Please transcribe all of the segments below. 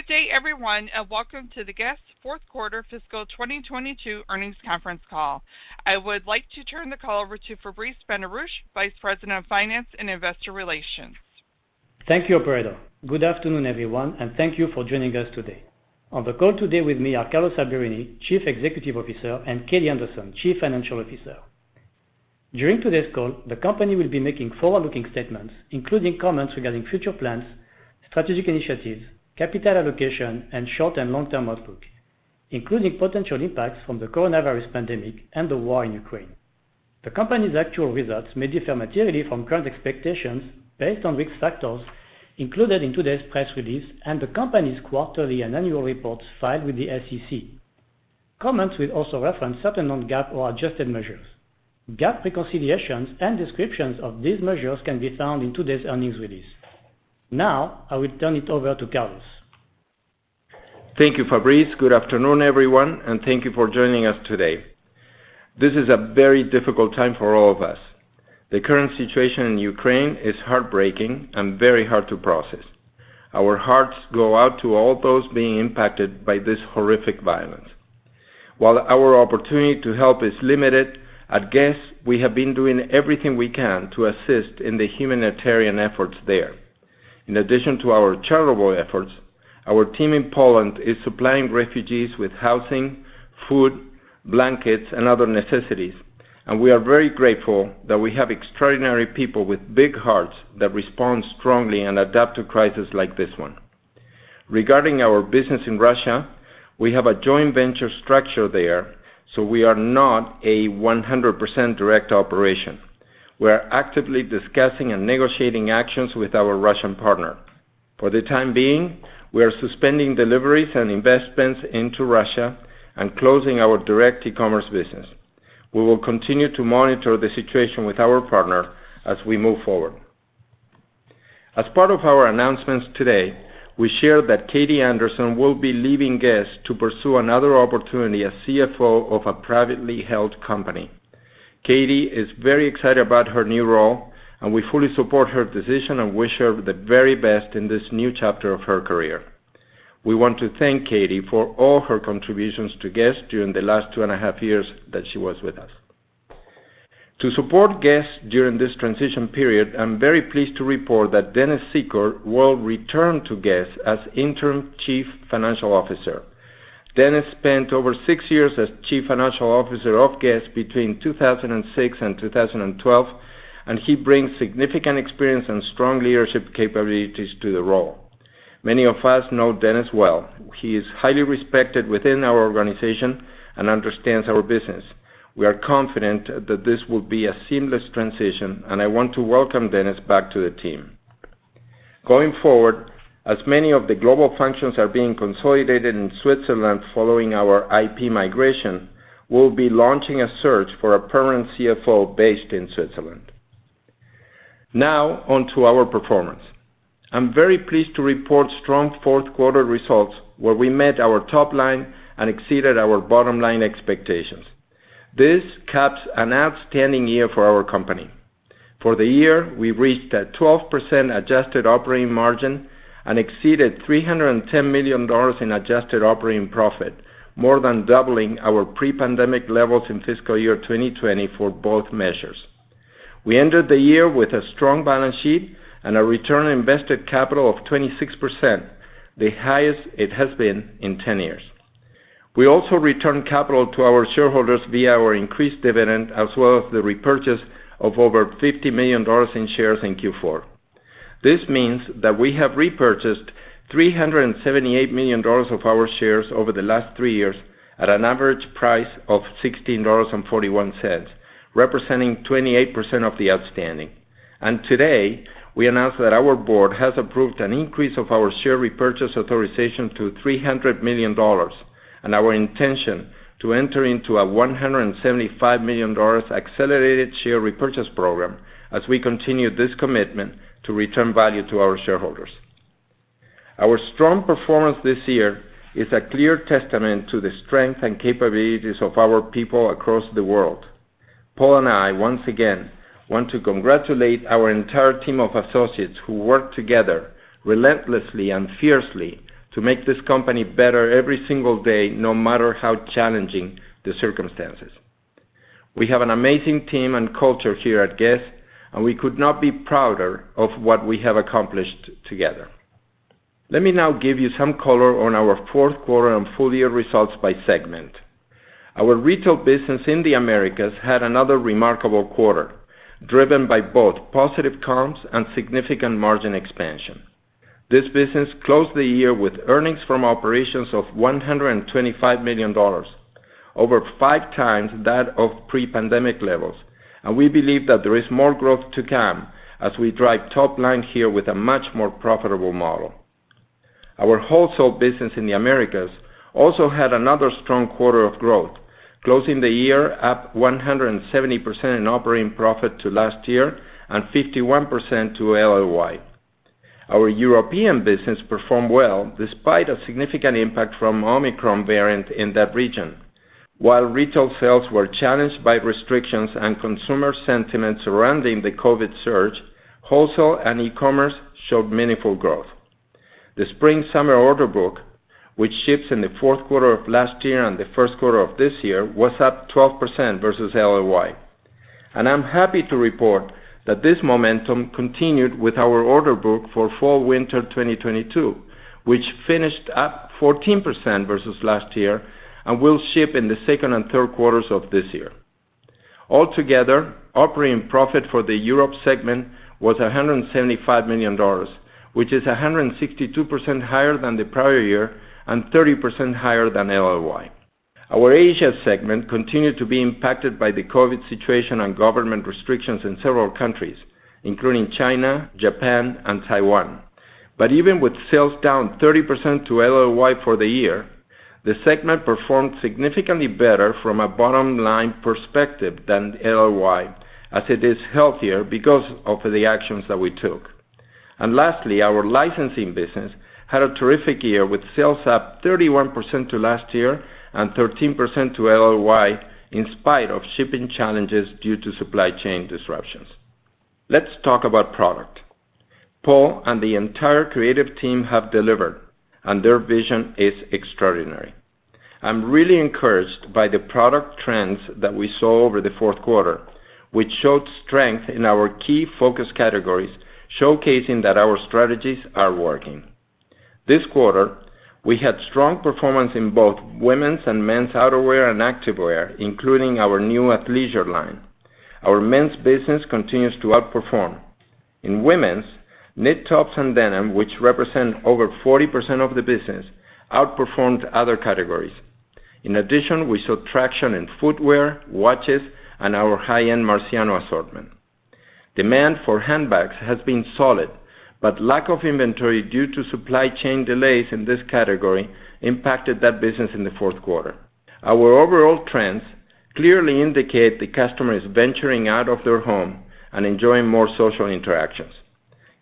Good day, everyone, and welcome to the Guess? fourth quarter fiscal 2022 earnings conference call. I would like to turn the call over to Fabrice Benarouche, Vice President of Finance and Investor Relations. Thank you, operator. Good afternoon, everyone, and thank you for joining us today. On the call today with me are Carlos Alberini, Chief Executive Officer, and Katie Anderson, Chief Financial Officer.During today's call, the company will be making forward-looking statements, including comments regarding future plans, strategic initiatives, capital allocation, and short and long-term outlook, including potential impacts from the coronavirus pandemic and the war in Ukraine. The company's actual results may differ materially from current expectations based on risk factors included in today's press release and the company's quarterly and annual reports filed with the SEC. Comments will also reference certain non-GAAP or adjusted measures. GAAP reconciliations and descriptions of these measures can be found in today's earnings release. Now, I will turn it over to Carlos. Thank you, Fabrice. Good afternoon, everyone, and thank you for joining us today. This is a very difficult time for all of us. The current situation in Ukraine is heartbreaking and very hard to process. Our hearts go out to all those being impacted by this horrific violence. While our opportunity to help is limited, at Guess?, we have been doing everything we can to assist in the humanitarian efforts there. In addition to our charitable efforts, our team in Poland is supplying refugees with housing, food, blankets, and other necessities. We are very grateful that we have extraordinary people with big hearts that respond strongly and adapt to crisis like this one. Regarding our business in Russia, we have a joint venture structure there, so we are not a 100% direct operation. We are actively discussing and negotiating actions with our Russian partner. For the time being, we are suspending deliveries and investments into Russia and closing our direct e-commerce business. We will continue to monitor the situation with our partner as we move forward. As part of our announcements today, we share that Katie Anderson will be leaving Guess? to pursue another opportunity as CFO of a privately held company. Katie is very excited about her new role, and we fully support her decision and wish her the very best in this new chapter of her career. We want to thank Katie for all her contributions to Guess? during the last two and a half years that she was with us. To support Guess? during this transition period, I'm very pleased to report that Dennis Secor will return to Guess? as Interim Chief Financial Officer. Dennis spent over six years as Chief Financial Officer of Guess? between 2006 and 2012, and he brings significant experience and strong leadership capabilities to the role. Many of us know Dennis well. He is highly respected within our organization and understands our business. We are confident that this will be a seamless transition, and I want to welcome Dennis back to the team. Going forward, as many of the global functions are being consolidated in Switzerland following our IP migration, we'll be launching a search for a permanent CFO based in Switzerland. Now on to our performance. I'm very pleased to report strong fourth quarter results where we met our top line and exceeded our bottom line expectations. This caps an outstanding year for our company. For the year, we reached a 12% adjusted operating margin and exceeded $310 million in adjusted operating profit, more than doubling our pre-pandemic levels in fiscal year 2020 for both measures. We ended the year with a strong balance sheet and a return on invested capital of 26%, the highest it has been in 10 years. We also returned capital to our shareholders via our increased dividend as well as the repurchase of over $50 million in shares in Q4. This means that we have repurchased $378 million of our shares over the last three years at an average price of $16.41, representing 28% of the outstanding. Today, we announce that our board has approved an increase of our share repurchase authorization to $300 million, and our intention to enter into a $175 million accelerated share repurchase program as we continue this commitment to return value to our shareholders. Our strong performance this year is a clear testament to the strength and capabilities of our people across the world. Paul and I once again want to congratulate our entire team of associates who work together relentlessly and fiercely to make this company better every single day, no matter how challenging the circumstances. We have an amazing team and culture here at Guess?, and we could not be prouder of what we have accomplished together. Let me now give you some color on our fourth quarter and full year results by segment. Our retail business in the Americas had another remarkable quarter, driven by both positive comps and significant margin expansion. This business closed the year with earnings from operations of $125 million, over five times that of pre-pandemic levels. We believe that there is more growth to come as we drive top line here with a much more profitable model. Our wholesale business in the Americas also had another strong quarter of growth, closing the year up 170% in operating profit to last year and 51% to LLY. Our European business performed well despite a significant impact from Omicron variant in that region. While retail sales were challenged by restrictions and consumer sentiment surrounding the COVID surge, wholesale and e-commerce showed meaningful growth. The spring/summer order book, which ships in the fourth quarter of last year and the first quarter of this year, was up 12% versus LLY. I'm happy to report that this momentum continued with our order book for fall/winter 2022, which finished up 14% versus last year and will ship in the second and third quarters of this year. Altogether, operating profit for the Europe segment was $175 million, which is 162% higher than the prior year and 30% higher than LLY. Our Asia segment continued to be impacted by the COVID situation and government restrictions in several countries, including China, Japan, and Taiwan. Even with sales down 30% to LLY for the year, the segment performed significantly better from a bottom line perspective than LLY as it is healthier because of the actions that we took. Lastly, our licensing business had a terrific year with sales up 31% to last year and 13% to LLY in spite of shipping challenges due to supply chain disruptions. Let's talk about product. Paul and the entire creative team have delivered, and their vision is extraordinary. I'm really encouraged by the product trends that we saw over the fourth quarter, which showed strength in our key focus categories, showcasing that our strategies are working. This quarter, we had strong performance in both women's and men's outerwear and activewear, including our new athleisure line. Our men's business continues to outperform. In women's, knit tops and denim, which represent over 40% of the business, outperformed other categories. In addition, we saw traction in footwear, watches, and our high-end Marciano assortment. Demand for handbags has been solid, but lack of inventory due to supply chain delays in this category impacted that business in the fourth quarter. Our overall trends clearly indicate the customer is venturing out of their home and enjoying more social interactions.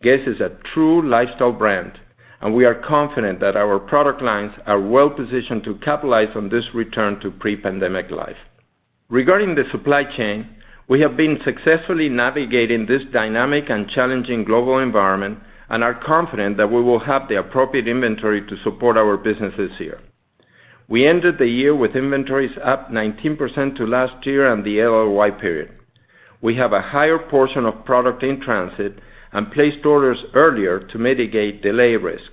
Guess is a true lifestyle brand, and we are confident that our product lines are well positioned to capitalize on this return to pre-pandemic life. Regarding the supply chain, we have been successfully navigating this dynamic and challenging global environment and are confident that we will have the appropriate inventory to support our business this year. We ended the year with inventories up 19% to last year and the LLY period. We have a higher portion of product in transit and placed orders earlier to mitigate delay risk.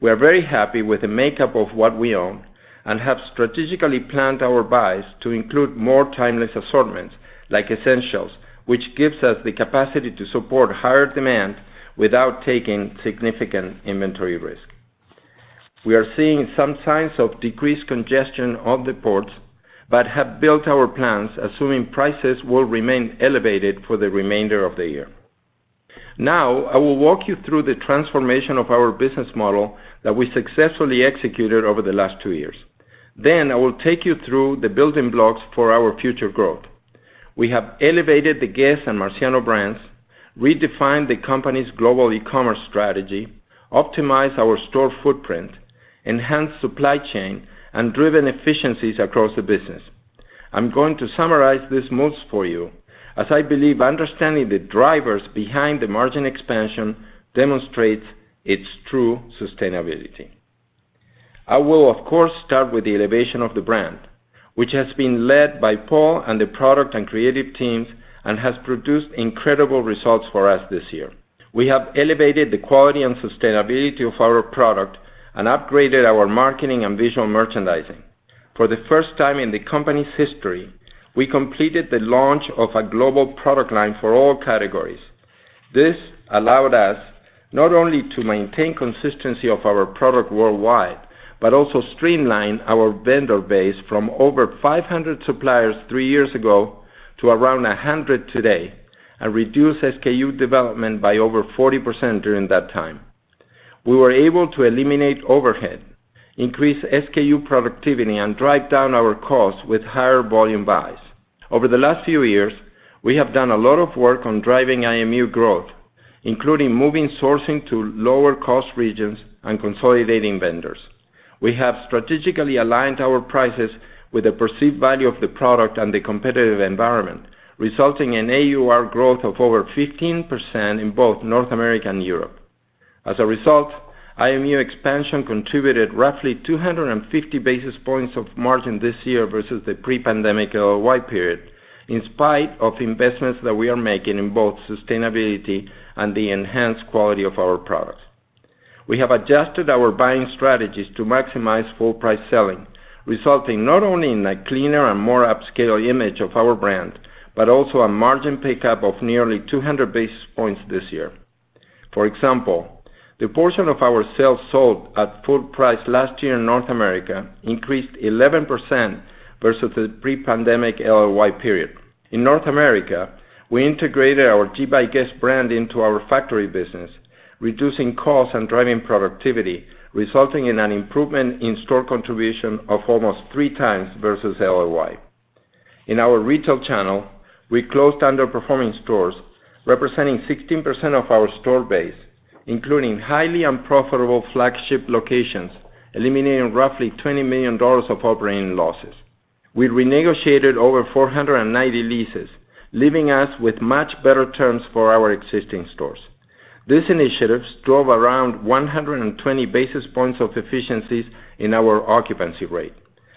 We are very happy with the makeup of what we own and have strategically planned our buys to include more timeless assortments like essentials, which gives us the capacity to support higher demand without taking significant inventory risk. We are seeing some signs of decreased congestion on the ports, but have built our plans assuming prices will remain elevated for the remainder of the year. Now, I will walk you through the transformation of our business model that we successfully executed over the last two years. I will take you through the building blocks for our future growth. We have elevated the Guess? and Marciano brands, redefined the company's global e-commerce strategy, optimized our store footprint, enhanced supply chain, and driven efficiencies across the business. I'm going to summarize these moves for you, as I believe understanding the drivers behind the margin expansion demonstrates its true sustainability. I will, of course, start with the elevation of the brand, which has been led by Paul and the product and creative teams and has produced incredible results for us this year. We have elevated the quality and sustainability of our product and upgraded our marketing and visual merchandising. For the first time in the company's history, we completed the launch of a global product line for all categories. This allowed us not only to maintain consistency of our product worldwide, but also streamlined our vendor base from over 500 suppliers three years ago to around 100 today and reduce SKU development by over 40% during that time. We were able to eliminate overhead, increase SKU productivity, and drive down our costs with higher volume buys. Over the last few years, we have done a lot of work on driving IMU growth, including moving sourcing to lower cost regions and consolidating vendors. We have strategically aligned our prices with the perceived value of the product and the competitive environment, resulting in AUR growth of over 15% in both North America and Europe. As a result, IMU expansion contributed roughly 250 basis points of margin this year versus the pre-pandemic LLY period, in spite of investments that we are making in both sustainability and the enhanced quality of our products. We have adjusted our buying strategies to maximize full price selling, resulting not only in a cleaner and more upscale image of our brand, but also a margin pickup of nearly 200 basis points this year. For example, the portion of our sales sold at full price last year in North America increased 11% versus the pre-pandemic LLY period. In North America, we integrated our G by GUESS brand into our factory business, reducing costs and driving productivity, resulting in an improvement in store contribution of almost three times versus LLY. In our retail channel, we closed underperforming stores representing 16% of our store base, including highly unprofitable flagship locations, eliminating roughly $20 million of operating losses. We renegotiated over 490 leases, leaving us with much better terms for our existing stores. These initiatives drove around 120 basis points of efficiencies in our occupancy rate.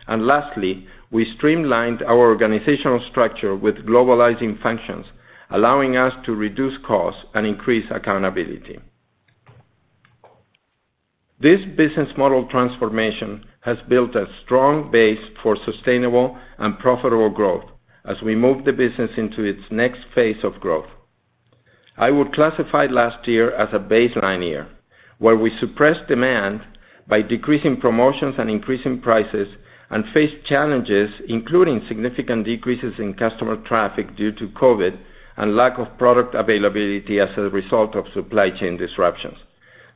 Lastly, we streamlined our organizational structure with globalizing functions, allowing us to reduce costs and increase accountability. This business model transformation has built a strong base for sustainable and profitable growth as we move the business into its next phase of growth. I would classify last year as a baseline year, where we suppressed demand by decreasing promotions and increasing prices, and faced challenges, including significant decreases in customer traffic due to COVID, and lack of product availability as a result of supply chain disruptions.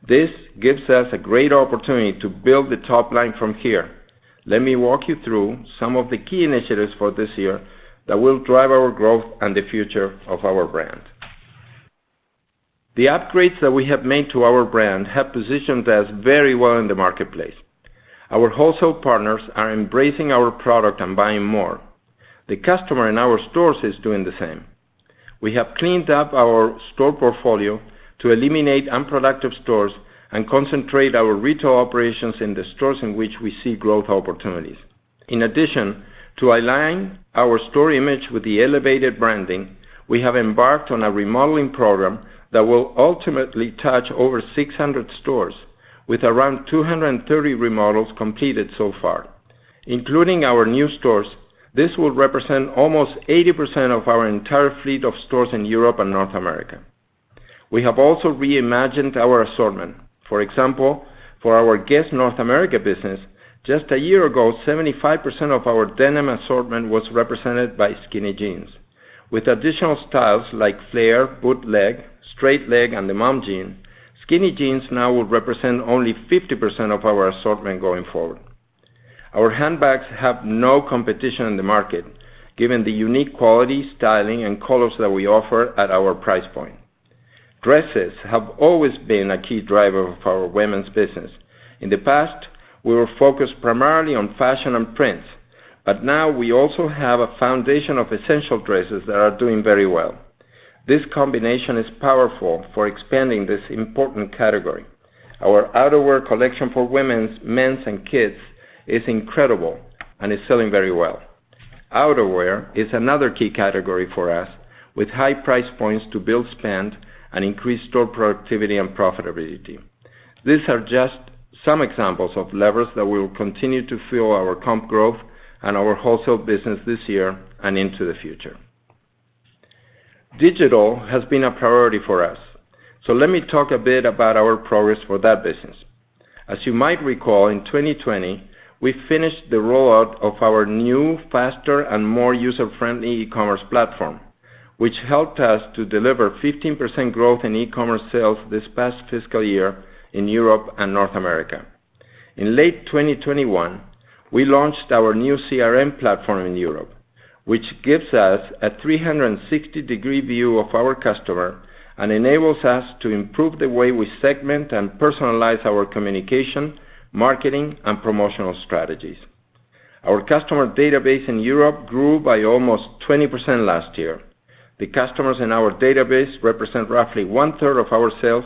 This gives us a great opportunity to build the top line from here. Let me walk you through some of the key initiatives for this year that will drive our growth and the future of our brand. The upgrades that we have made to our brand have positioned us very well in the marketplace. Our wholesale partners are embracing our product and buying more. The customer in our stores is doing the same. We have cleaned up our store portfolio to eliminate unproductive stores and concentrate our retail operations in the stores in which we see growth opportunities. In addition, to align our store image with the elevated branding, we have embarked on a remodeling program that will ultimately touch over 600 stores, with around 230 remodels completed so far. Including our new stores, this will represent almost 80% of our entire fleet of stores in Europe and North America. We have also reimagined our assortment. For example, for our Guess? North America business, just a year ago, 75% of our denim assortment was represented by skinny jeans. With additional styles like flare, bootleg, straight leg, and the mom jean, skinny jeans now will represent only 50% of our assortment going forward. Our handbags have no competition in the market, given the unique quality, styling, and colors that we offer at our price point. Dresses have always been a key driver of our women's business. In the past, we were focused primarily on fashion and prints, but now we also have a foundation of essential dresses that are doing very well. This combination is powerful for expanding this important category. Our outerwear collection for women's, men's and kids is incredible and is selling very well. Outerwear is another key category for us, with high price points to build spend and increase store productivity and profitability. These are just some examples of levers that will continue to fuel our comp growth and our wholesale business this year and into the future. Digital has been a priority for us, so let me talk a bit about our progress for that business. As you might recall, in 2020, we finished the rollout of our new, faster, and more user-friendly e-commerce platform, which helped us to deliver 15% growth in e-commerce sales this past fiscal year in Europe and North America. In late 2021, we launched our new CRM platform in Europe, which gives us a 360-degree view of our customer and enables us to improve the way we segment and personalize our communication, marketing, and promotional strategies. Our customer database in Europe grew by almost 20% last year. The customers in our database represent roughly 1/3 of our sales,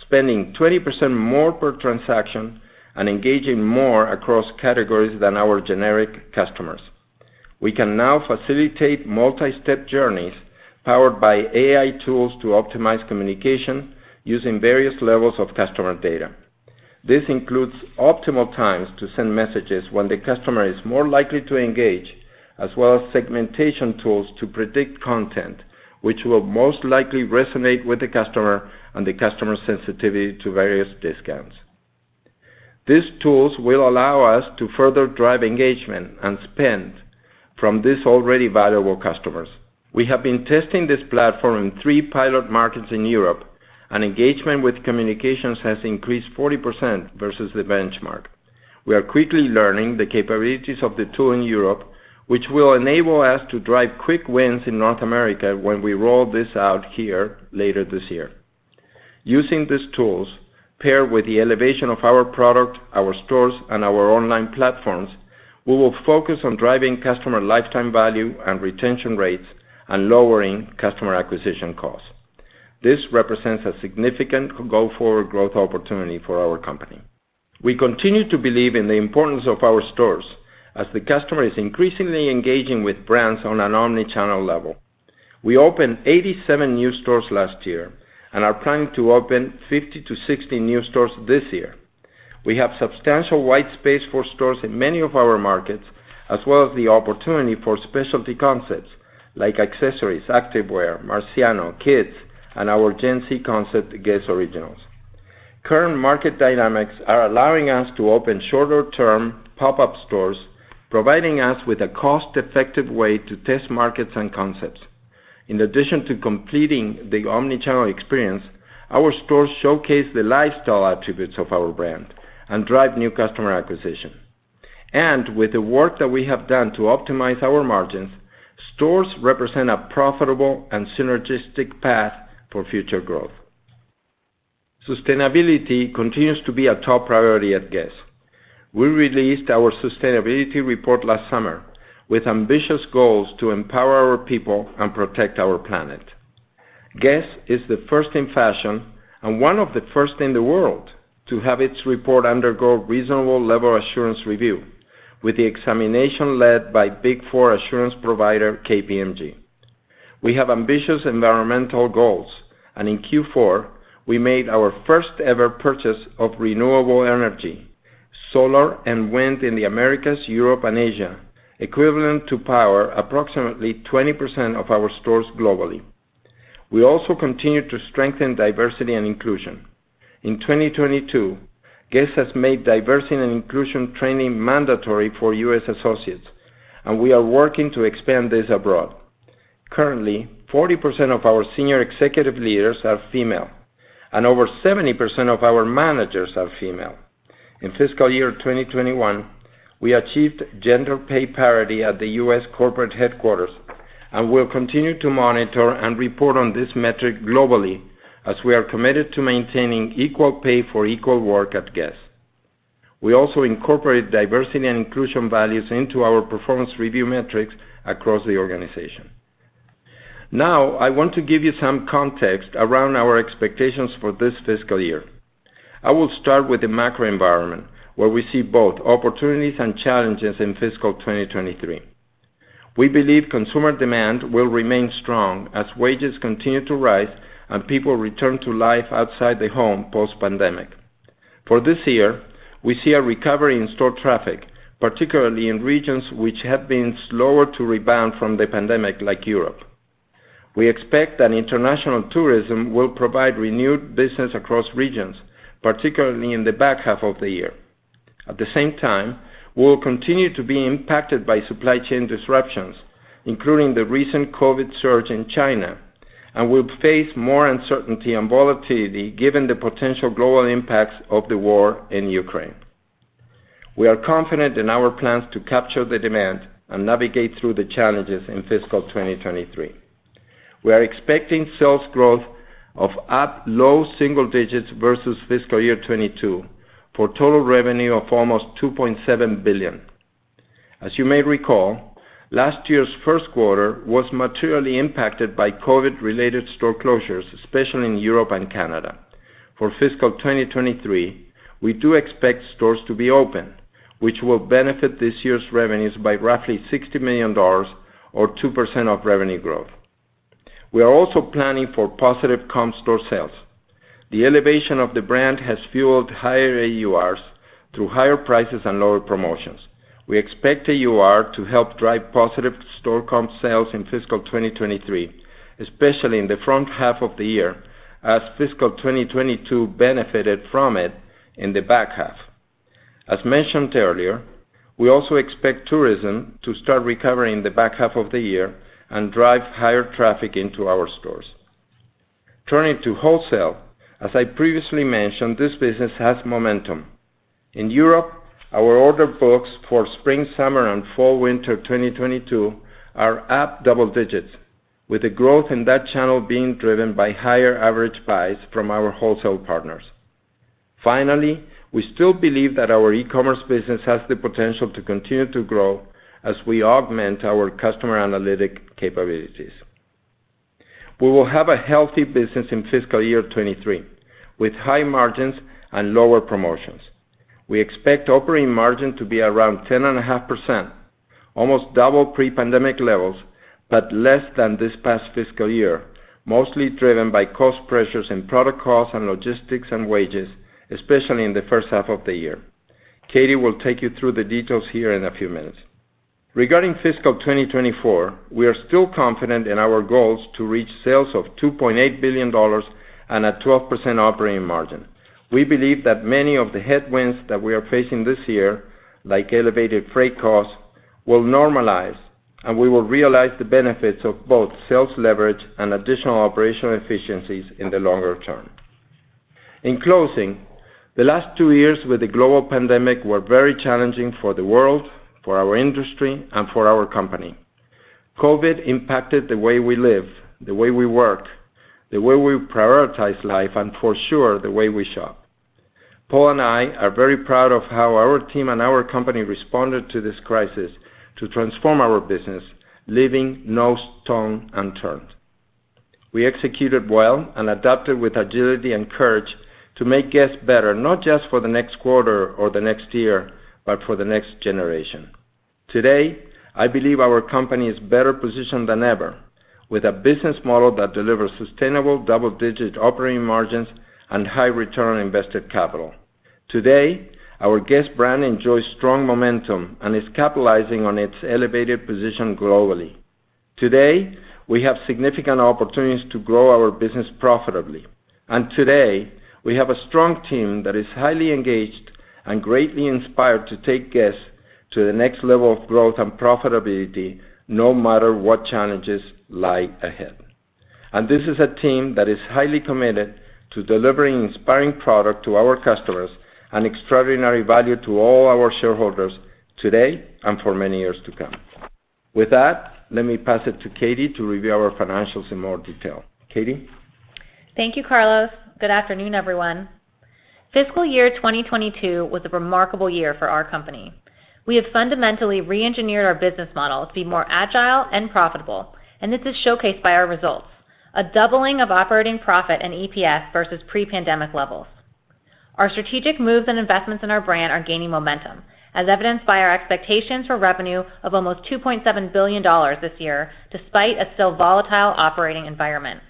spending 20% more per transaction and engaging more across categories than our generic customers. We can now facilitate multi-step journeys powered by AI tools to optimize communication using various levels of customer data. This includes optimal times to send messages when the customer is more likely to engage, as well as segmentation tools to predict content, which will most likely resonate with the customer and the customer's sensitivity to various discounts. These tools will allow us to further drive engagement and spend from these already valuable customers. We have been testing this platform in three pilot markets in Europe, and engagement with communications has increased 40% versus the benchmark. We are quickly learning the capabilities of the tool in Europe, which will enable us to drive quick wins in North America when we roll this out here later this year. Using these tools, paired with the elevation of our product, our stores, and our online platforms, we will focus on driving customer lifetime value and retention rates and lowering customer acquisition costs. This represents a significant go-forward growth opportunity for our company. We continue to believe in the importance of our stores as the customer is increasingly engaging with brands on an omnichannel level. We opened 87 new stores last year and are planning to open 50-60 new stores this year. We have substantial white space for stores in many of our markets, as well as the opportunity for specialty concepts like accessories, activewear, Marciano, kids, and our Gen Z concept, Guess Originals. Current market dynamics are allowing us to open shorter-term pop-up stores, providing us with a cost-effective way to test markets and concepts. In addition to completing the omni-channel experience, our stores showcase the lifestyle attributes of our brand and drive new customer acquisition. With the work that we have done to optimize our margins, stores represent a profitable and synergistic path for future growth. Sustainability continues to be a top priority at Guess. We released our sustainability report last summer with ambitious goals to empower our people and protect our planet. Guess is the first in fashion, and one of the first in the world, to have its report undergo reasonable level assurance review with the examination led by Big Four assurance provider, KPMG. We have ambitious environmental goals, and in Q4, we made our first ever purchase of renewable energy, solar and wind in the Americas, Europe, and Asia, equivalent to powering approximately 20% of our stores globally. We also continue to strengthen diversity and inclusion. In 2022, Guess? has made diversity and inclusion training mandatory for U.S. associates, and we are working to expand this abroad. Currently, 40% of our senior executive leaders are female, and over 70% of our managers are female. In fiscal year 2021, we achieved gender pay parity at the U.S. corporate headquarters, and we'll continue to monitor and report on this metric globally as we are committed to maintaining equal pay for equal work at Guess?. We also incorporate diversity and inclusion values into our performance review metrics across the organization. Now, I want to give you some context around our expectations for this fiscal year. I will start with the macro environment, where we see both opportunities and challenges in fiscal 2023. We believe consumer demand will remain strong as wages continue to rise and people return to life outside the home post-pandemic. For this year, we see a recovery in store traffic, particularly in regions which have been slower to rebound from the pandemic, like Europe. We expect that international tourism will provide renewed business across regions, particularly in the back half of the year. At the same time, we'll continue to be impacted by supply chain disruptions, including the recent COVID surge in China, and will face more uncertainty and volatility given the potential global impacts of the war in Ukraine. We are confident in our plans to capture the demand and navigate through the challenges in fiscal 2023. We are expecting sales growth of up low single digits versus fiscal year 2022 for total revenue of almost $2.7 billion. As you may recall, last year's first quarter was materially impacted by COVID-related store closures, especially in Europe and Canada. For fiscal 2023, we do expect stores to be open, which will benefit this year's revenues by roughly $60 million or 2% of revenue growth. We are also planning for positive comp store sales. The elevation of the brand has fueled higher AURs through higher prices and lower promotions. We expect AUR to help drive positive store comp sales in fiscal 2023, especially in the front half of the year, as fiscal 2022 benefited from it in the back half. As mentioned earlier, we also expect tourism to start recovering in the back half of the year and drive higher traffic into our stores. Turning to wholesale, as I previously mentioned, this business has momentum. In Europe, our order books for spring, summer, and fall/winter 2022 are up double digits, with the growth in that channel being driven by higher average buys from our wholesale partners. Finally, we still believe that our e-commerce business has the potential to continue to grow as we augment our customer analytics capabilities. We will have a healthy business in fiscal year 2023 with high margins and lower promotions. We expect operating margin to be around 10.5%, almost double pre-pandemic levels, but less than this past fiscal year, mostly driven by cost pressures and product costs and logistics and wages, especially in the first half of the year. Katie will take you through the details here in a few minutes. Regarding fiscal 2024, we are still confident in our goals to reach sales of $2.8 billion and a 12% operating margin. We believe that many of the headwinds that we are facing this year, like elevated freight costs, will normalize, and we will realize the benefits of both sales leverage and additional operational efficiencies in the longer term. In closing, the last two years with the global pandemic were very challenging for the world, for our industry, and for our company. COVID impacted the way we live, the way we work, the way we prioritize life, and for sure, the way we shop. Paul and I are very proud of how our team and our company responded to this crisis to transform our business, leaving no stone unturned. We executed well and adapted with agility and courage to make Guess? better, not just for the next quarter or the next year, but for the next generation. Today, I believe our company is better positioned than ever with a business model that delivers sustainable double-digit operating margins and high return on invested capital. Today, our Guess? brand enjoys strong momentum and is capitalizing on its elevated position globally. Today, we have significant opportunities to grow our business profitably. Today, we have a strong team that is highly engaged and greatly inspired to take Guess? to the next level of growth and profitability, no matter what challenges lie ahead. This is a team that is highly committed to delivering inspiring product to our customers and extraordinary value to all our shareholders today and for many years to come. With that, let me pass it to Katie to review our financials in more detail. Katie. Thank you, Carlos. Good afternoon, everyone. Fiscal year 2022 was a remarkable year for our company. We have fundamentally re-engineered our business model to be more agile and profitable, and this is showcased by our results, a doubling of operating profit and EPS versus pre-pandemic levels. Our strategic moves and investments in our brand are gaining momentum, as evidenced by our expectations for revenue of almost $2.7 billion this year, despite a still volatile operating environment.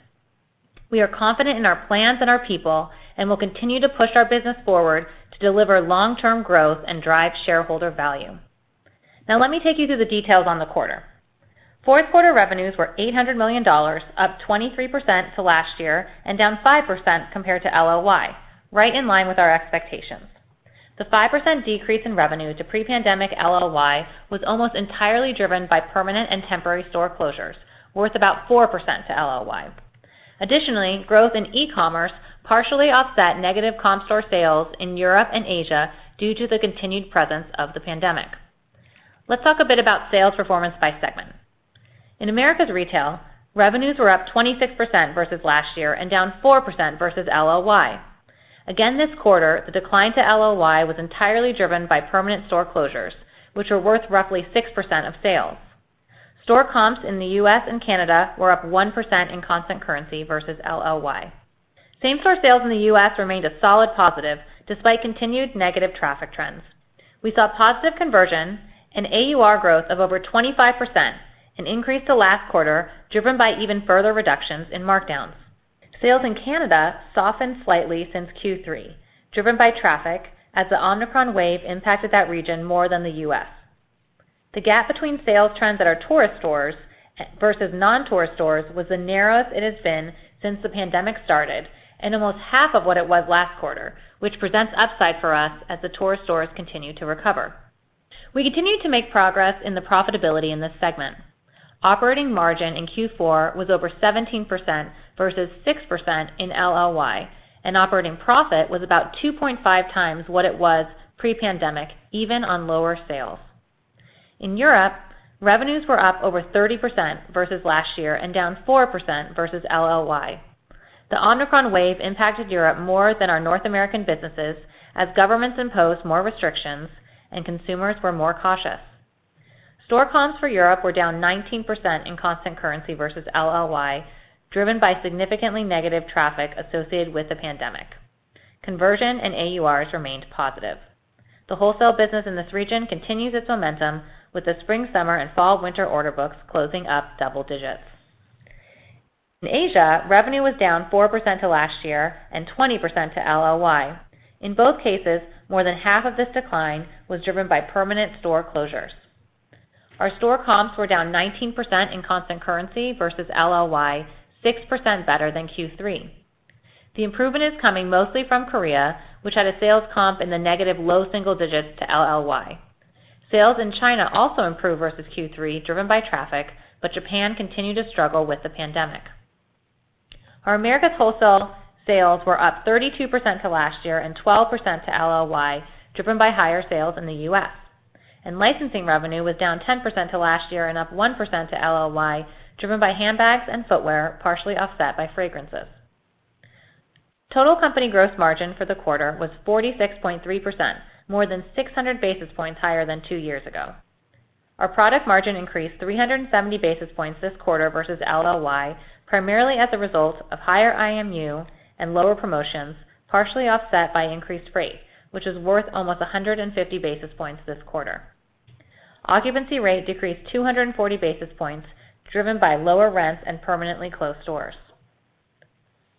We are confident in our plans and our people and will continue to push our business forward to deliver long-term growth and drive shareholder value. Now let me take you through the details on the quarter. Fourth quarter revenues were $800 million, up 23% to last year and down 5% compared to LLY, right in line with our expectations. The 5% decrease in revenue to pre-pandemic LLY was almost entirely driven by permanent and temporary store closures, worth about 4% to LLY. Additionally, growth in e-commerce partially offset negative comp store sales in Europe and Asia due to the continued presence of the pandemic. Let's talk a bit about sales performance by segment. In Americas Retail, revenues were up 26% versus last year and down 4% versus LLY. Again this quarter, the decline to LLY was entirely driven by permanent store closures, which were worth roughly 6% of sales. Store comps in the U.S. and Canada were up 1% in constant currency versus LLY. Same-store sales in the U.S. remained a solid positive despite continued negative traffic trends. We saw positive conversion and AUR growth of over 25%, an increase to last quarter, driven by even further reductions in markdowns. Sales in Canada softened slightly since Q3, driven by traffic as the Omicron wave impacted that region more than the U.S. The gap between sales trends at our tourist stores versus non-tourist stores was the narrowest it has been since the pandemic started and almost half of what it was last quarter, which presents upside for us as the tourist stores continue to recover. We continued to make progress in the profitability in this segment. Operating margin in Q4 was over 17% versus 6% in LLY, and operating profit was about 2.5 times what it was pre-pandemic, even on lower sales. In Europe, revenues were up over 30% versus last year and down 4% versus LLY. The Omicron wave impacted Europe more than our North American businesses as governments imposed more restrictions and consumers were more cautious. Store comps for Europe were down 19% in constant currency versus LLY, driven by significantly negative traffic associated with the pandemic. Conversion and AURs remained positive. The wholesale business in this region continues its momentum with the spring, summer, and fall winter order books closing up double digits. In Asia, revenue was down 4% to last year and 20% to LLY. In both cases, more than half of this decline was driven by permanent store closures. Our store comps were down 19% in constant currency versus LLY, 6% better than Q3. The improvement is coming mostly from Korea, which had a sales comp in the negative low double digits to LLY. Sales in China also improved versus Q3, driven by traffic, but Japan continued to struggle with the pandemic. Our Americas wholesale sales were up 32% to last year and 12% to LLY, driven by higher sales in the U.S. Licensing revenue was down 10% to last year and up 1% to LLY, driven by handbags and footwear, partially offset by fragrances. Total company gross margin for the quarter was 46.3%, more than 600 basis points higher than two years ago. Our product margin increased 370 basis points this quarter versus LLY, primarily as a result of higher IMU and lower promotions, partially offset by increased rate, which is worth almost 150 basis points this quarter. Occupancy rate decreased 240 basis points, driven by lower rents and permanently closed stores.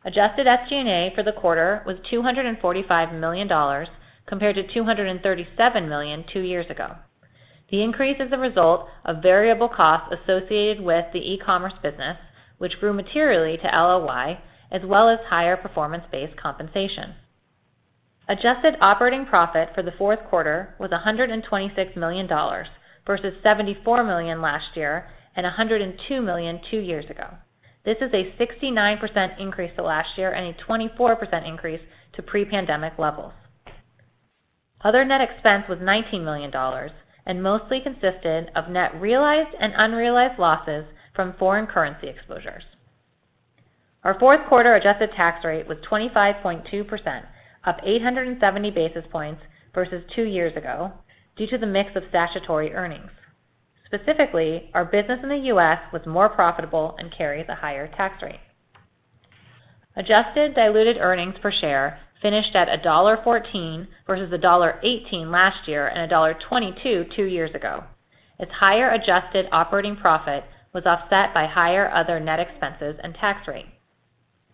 Adjusted SG&A for the quarter was $245 million, compared to $237 million two years ago. The increase is a result of variable costs associated with the e-commerce business, which grew materially to LLY, as well as higher performance-based compensation. Adjusted operating profit for the fourth quarter was $126 million versus $74 million last year and $102 million two years ago. This is a 69% increase to last year and a 24% increase to pre-pandemic levels. Other net expense was $19 million and mostly consisted of net realized and unrealized losses from foreign currency exposures. Our fourth quarter adjusted tax rate was 25.2%, up 870 basis points versus two years ago due to the mix of statutory earnings. Specifically, our business in the U.S. was more profitable and carries a higher tax rate. Adjusted diluted earnings per share finished at $1.14 versus $1.18 last year and $1.22 two years ago. Its higher adjusted operating profit was offset by higher other net expenses and tax rate.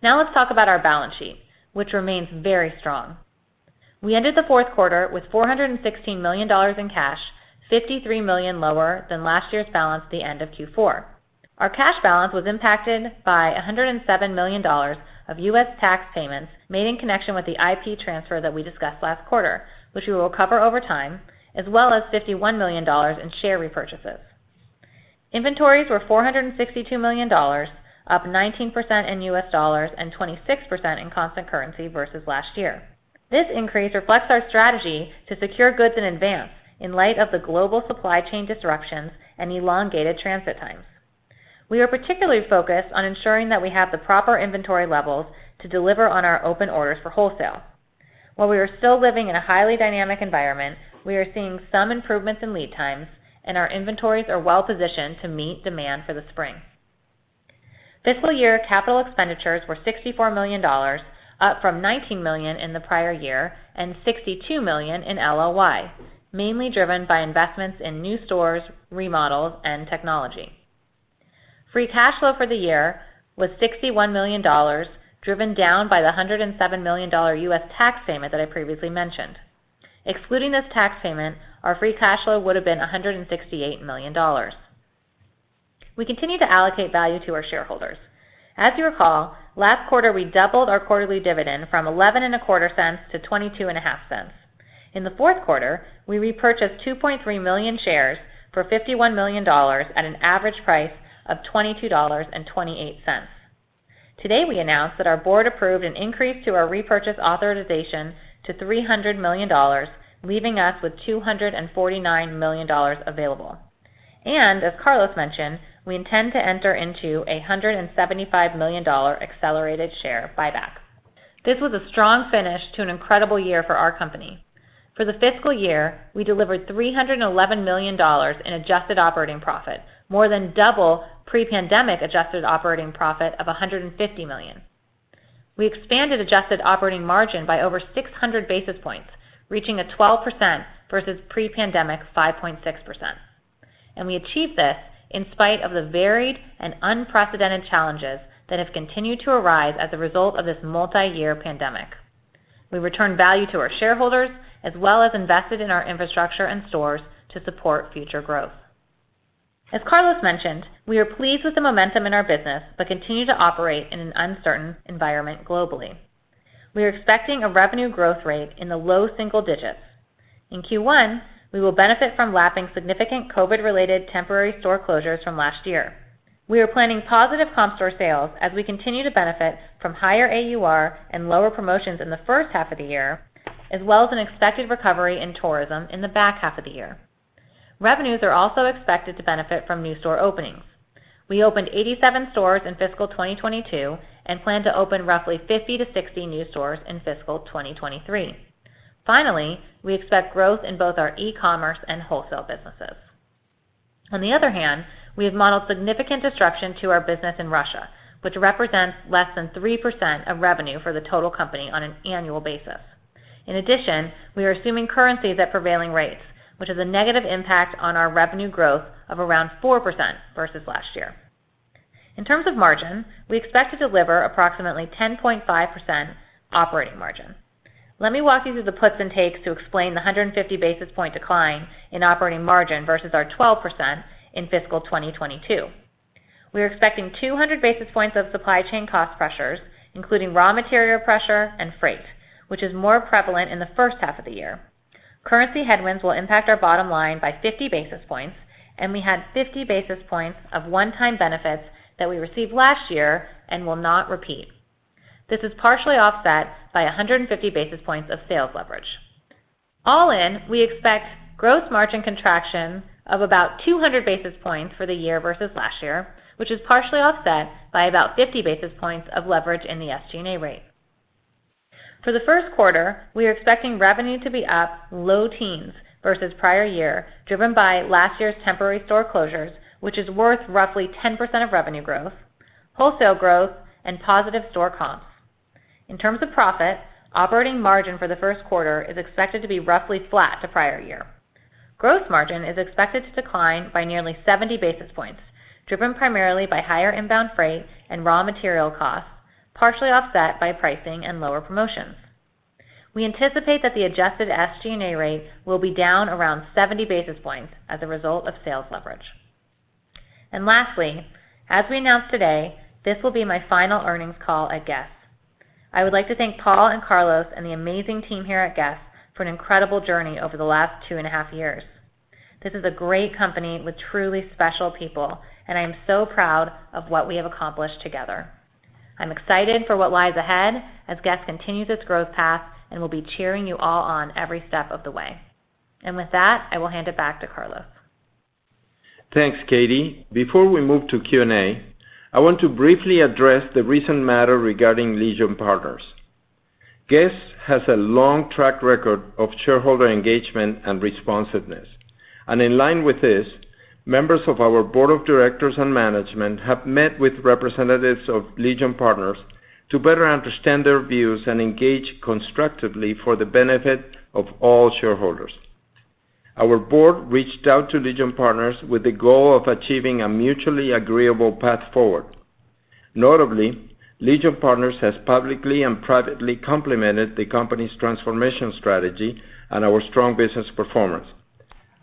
Now let's talk about our balance sheet, which remains very strong. We ended the fourth quarter with $416 million in cash, $53 million lower than last year's balance at the end of Q4. Our cash balance was impacted by $107 million of U.S. tax payments made in connection with the IP transfer that we discussed last quarter, which we will recover over time, as well as $51 million in share repurchases. Inventories were $462 million, up 19% in U.S. dollars and 26% in constant currency versus last year. This increase reflects our strategy to secure goods in advance in light of the global supply chain disruptions and elongated transit times. We are particularly focused on ensuring that we have the proper inventory levels to deliver on our open orders for wholesale. While we are still living in a highly dynamic environment, we are seeing some improvements in lead times, and our inventories are well positioned to meet demand for the spring. Fiscal year capital expenditures were $64 million, up from $19 million in the prior year and $62 million in LLY, mainly driven by investments in new stores, remodels, and technology. Free cash flow for the year was $61 million, driven down by the $107 million U.S. tax payment that I previously mentioned. Excluding this tax payment, our free cash flow would have been $168 million. We continue to allocate value to our shareholders. As you recall, last quarter, we doubled our quarterly dividend from 11.25 cents to 22.5 cents. In the fourth quarter, we repurchased 2.3 million shares for $51 million at an average price of $22.28. Today, we announced that our board approved an increase to our repurchase authorization to $300 million, leaving us with $249 million available. As Carlos mentioned, we intend to enter into a $175 million accelerated share repurchase. This was a strong finish to an incredible year for our company. For the fiscal year, we delivered $311 million in adjusted operating profit, more than double pre-pandemic adjusted operating profit of $150 million. We expanded adjusted operating margin by over 600 basis points, reaching 12% versus pre-pandemic's 5.6%. We achieved this in spite of the varied and unprecedented challenges that have continued to arise as a result of this multiyear pandemic. We returned value to our shareholders, as well as invested in our infrastructure and stores to support future growth. As Carlos mentioned, we are pleased with the momentum in our business, but continue to operate in an uncertain environment globally. We are expecting a revenue growth rate in the low single digits%. In Q1, we will benefit from lapping significant COVID-related temporary store closures from last year. We are planning positive comp store sales as we continue to benefit from higher AUR and lower promotions in the first half of the year, as well as an expected recovery in tourism in the back half of the year. Revenues are also expected to benefit from new store openings. We opened 87 stores in fiscal 2022 and plan to open roughly 50-60 new stores in fiscal 2023. Finally, we expect growth in both our e-commerce and wholesale businesses. On the other hand, we have modeled significant disruption to our business in Russia, which represents less than 3% of revenue for the total company on an annual basis. In addition, we are assuming currencies at prevailing rates, which has a negative impact on our revenue growth of around 4% versus last year. In terms of margin, we expect to deliver approximately 10.5% operating margin. Let me walk you through the puts and takes to explain the 150 basis points decline in operating margin versus our 12% in fiscal 2022. We are expecting 200 basis points of supply chain cost pressures, including raw material pressure and freight, which is more prevalent in the first half of the year. Currency headwinds will impact our bottom line by 50 basis points, and we had 50 basis points of one-time benefits that we received last year and will not repeat. This is partially offset by 150 basis points of sales leverage. All in, we expect gross margin contraction of about 200 basis points for the year versus last year, which is partially offset by about 50 basis points of leverage in the SG&A rate. For the first quarter, we are expecting revenue to be up low teens versus prior year, driven by last year's temporary store closures, which is worth roughly 10% of revenue growth, wholesale growth, and positive store comps. In terms of profit, operating margin for the first quarter is expected to be roughly flat to prior year. Gross margin is expected to decline by nearly 70 basis points, driven primarily by higher inbound freight and raw material costs, partially offset by pricing and lower promotions. We anticipate that the adjusted SG&A rate will be down around 70 basis points as a result of sales leverage. Lastly, as we announced today, this will be my final earnings call at Guess. I would like to thank Paul and Carlos and the amazing team here at Guess for an incredible journey over the last two and a half years. This is a great company with truly special people, and I am so proud of what we have accomplished together. I'm excited for what lies ahead as Guess continues its growth path and will be cheering you all on every step of the way. With that, I will hand it back to Carlos. Thanks, Katie. Before we move to Q&A, I want to briefly address the recent matter regarding Legion Partners. Guess has a long track record of shareholder engagement and responsiveness. In line with this, members of our board of directors and management have met with representatives of Legion Partners to better understand their views and engage constructively for the benefit of all shareholders. Our board reached out to Legion Partners with the goal of achieving a mutually agreeable path forward. Notably, Legion Partners has publicly and privately complimented the company's transformation strategy and our strong business performance.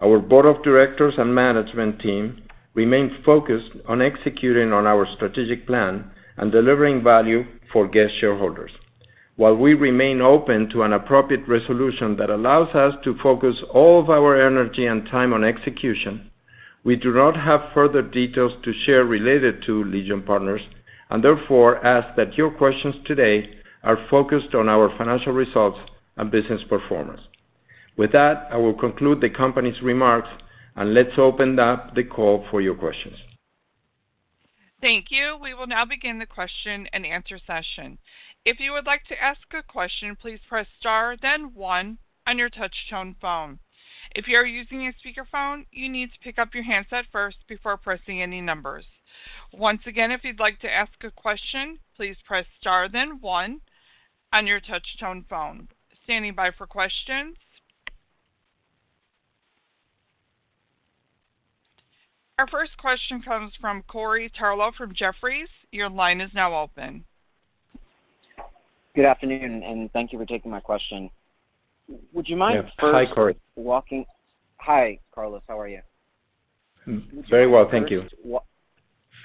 Our board of directors and management team remain focused on executing on our strategic plan and delivering value for Guess shareholders. While we remain open to an appropriate resolution that allows us to focus all of our energy and time on execution, we do not have further details to share related to Legion Partners, and therefore ask that your questions today are focused on our financial results and business performance. With that, I will conclude the company's remarks, and let's open up the call for your questions. Thank you. We will now begin the question and answer session. If you would like to ask a question, please press star then one on your touchtone phone. If you are using a speakerphone, you need to pick up your handset first before pressing any numbers. Once again, if you'd like to ask a question, please press star then one on your touchtone phone. Standing by for questions. Our first question comes from Corey Tarlowe from Jefferies. Your line is now open. Good afternoon, and thank you for taking my question. Would you mind first walking Yes. Hi, Corey. Hi, Carlos. How are you? Very well. Thank you.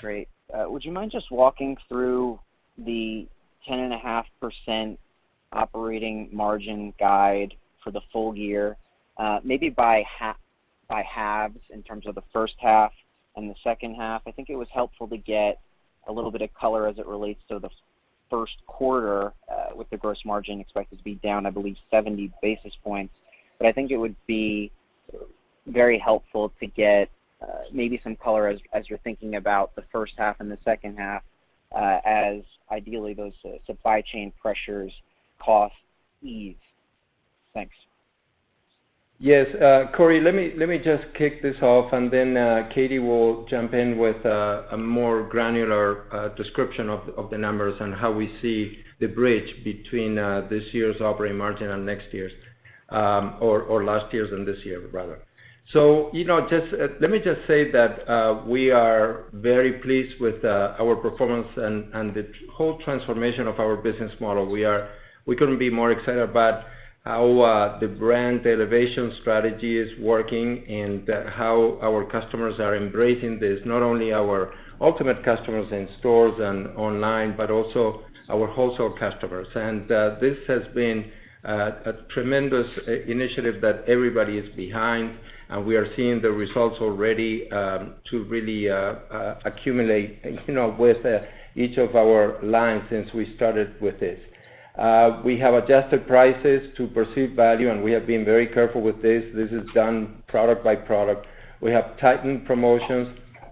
Great. Would you mind just walking through the 10.5% operating margin guide for the full year, maybe by halves in terms of the first half and the second half. I think it was helpful to get a little bit of color as it relates to the first quarter, with the gross margin expected to be down, I believe 70 basis points. I think it would be very helpful to get maybe some color as you're thinking about the first half and the second half, as ideally those supply chain pressures costs ease. Thanks. Yes. Corey, let me just kick this off, and then, Katie will jump in with a more granular description of the numbers and how we see the bridge between this year's operating margin and next year's, or last year's and this year rather. You know, let me just say that we are very pleased with our performance and the whole transformation of our business model. We couldn't be more excited about how the brand elevation strategy is working and how our customers are embracing this, not only our ultimate customers in stores and online, but also our wholesale customers. This has been a tremendous initiative that everybody is behind, and we are seeing the results already to really accelerate, you know, with each of our lines since we started with this. We have adjusted prices to perceived value, and we have been very careful with this. This is done product by product. We have tightened promotions,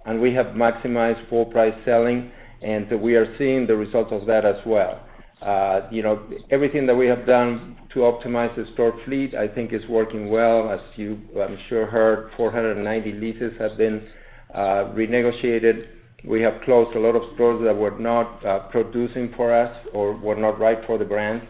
and we have maximized full price selling, and we are seeing the results of that as well. You know, everything that we have done to optimize the store fleet, I think is working well. As you, I'm sure, heard, 490 leases have been renegotiated. We have closed a lot of stores that were not producing for us or were not right for the brand.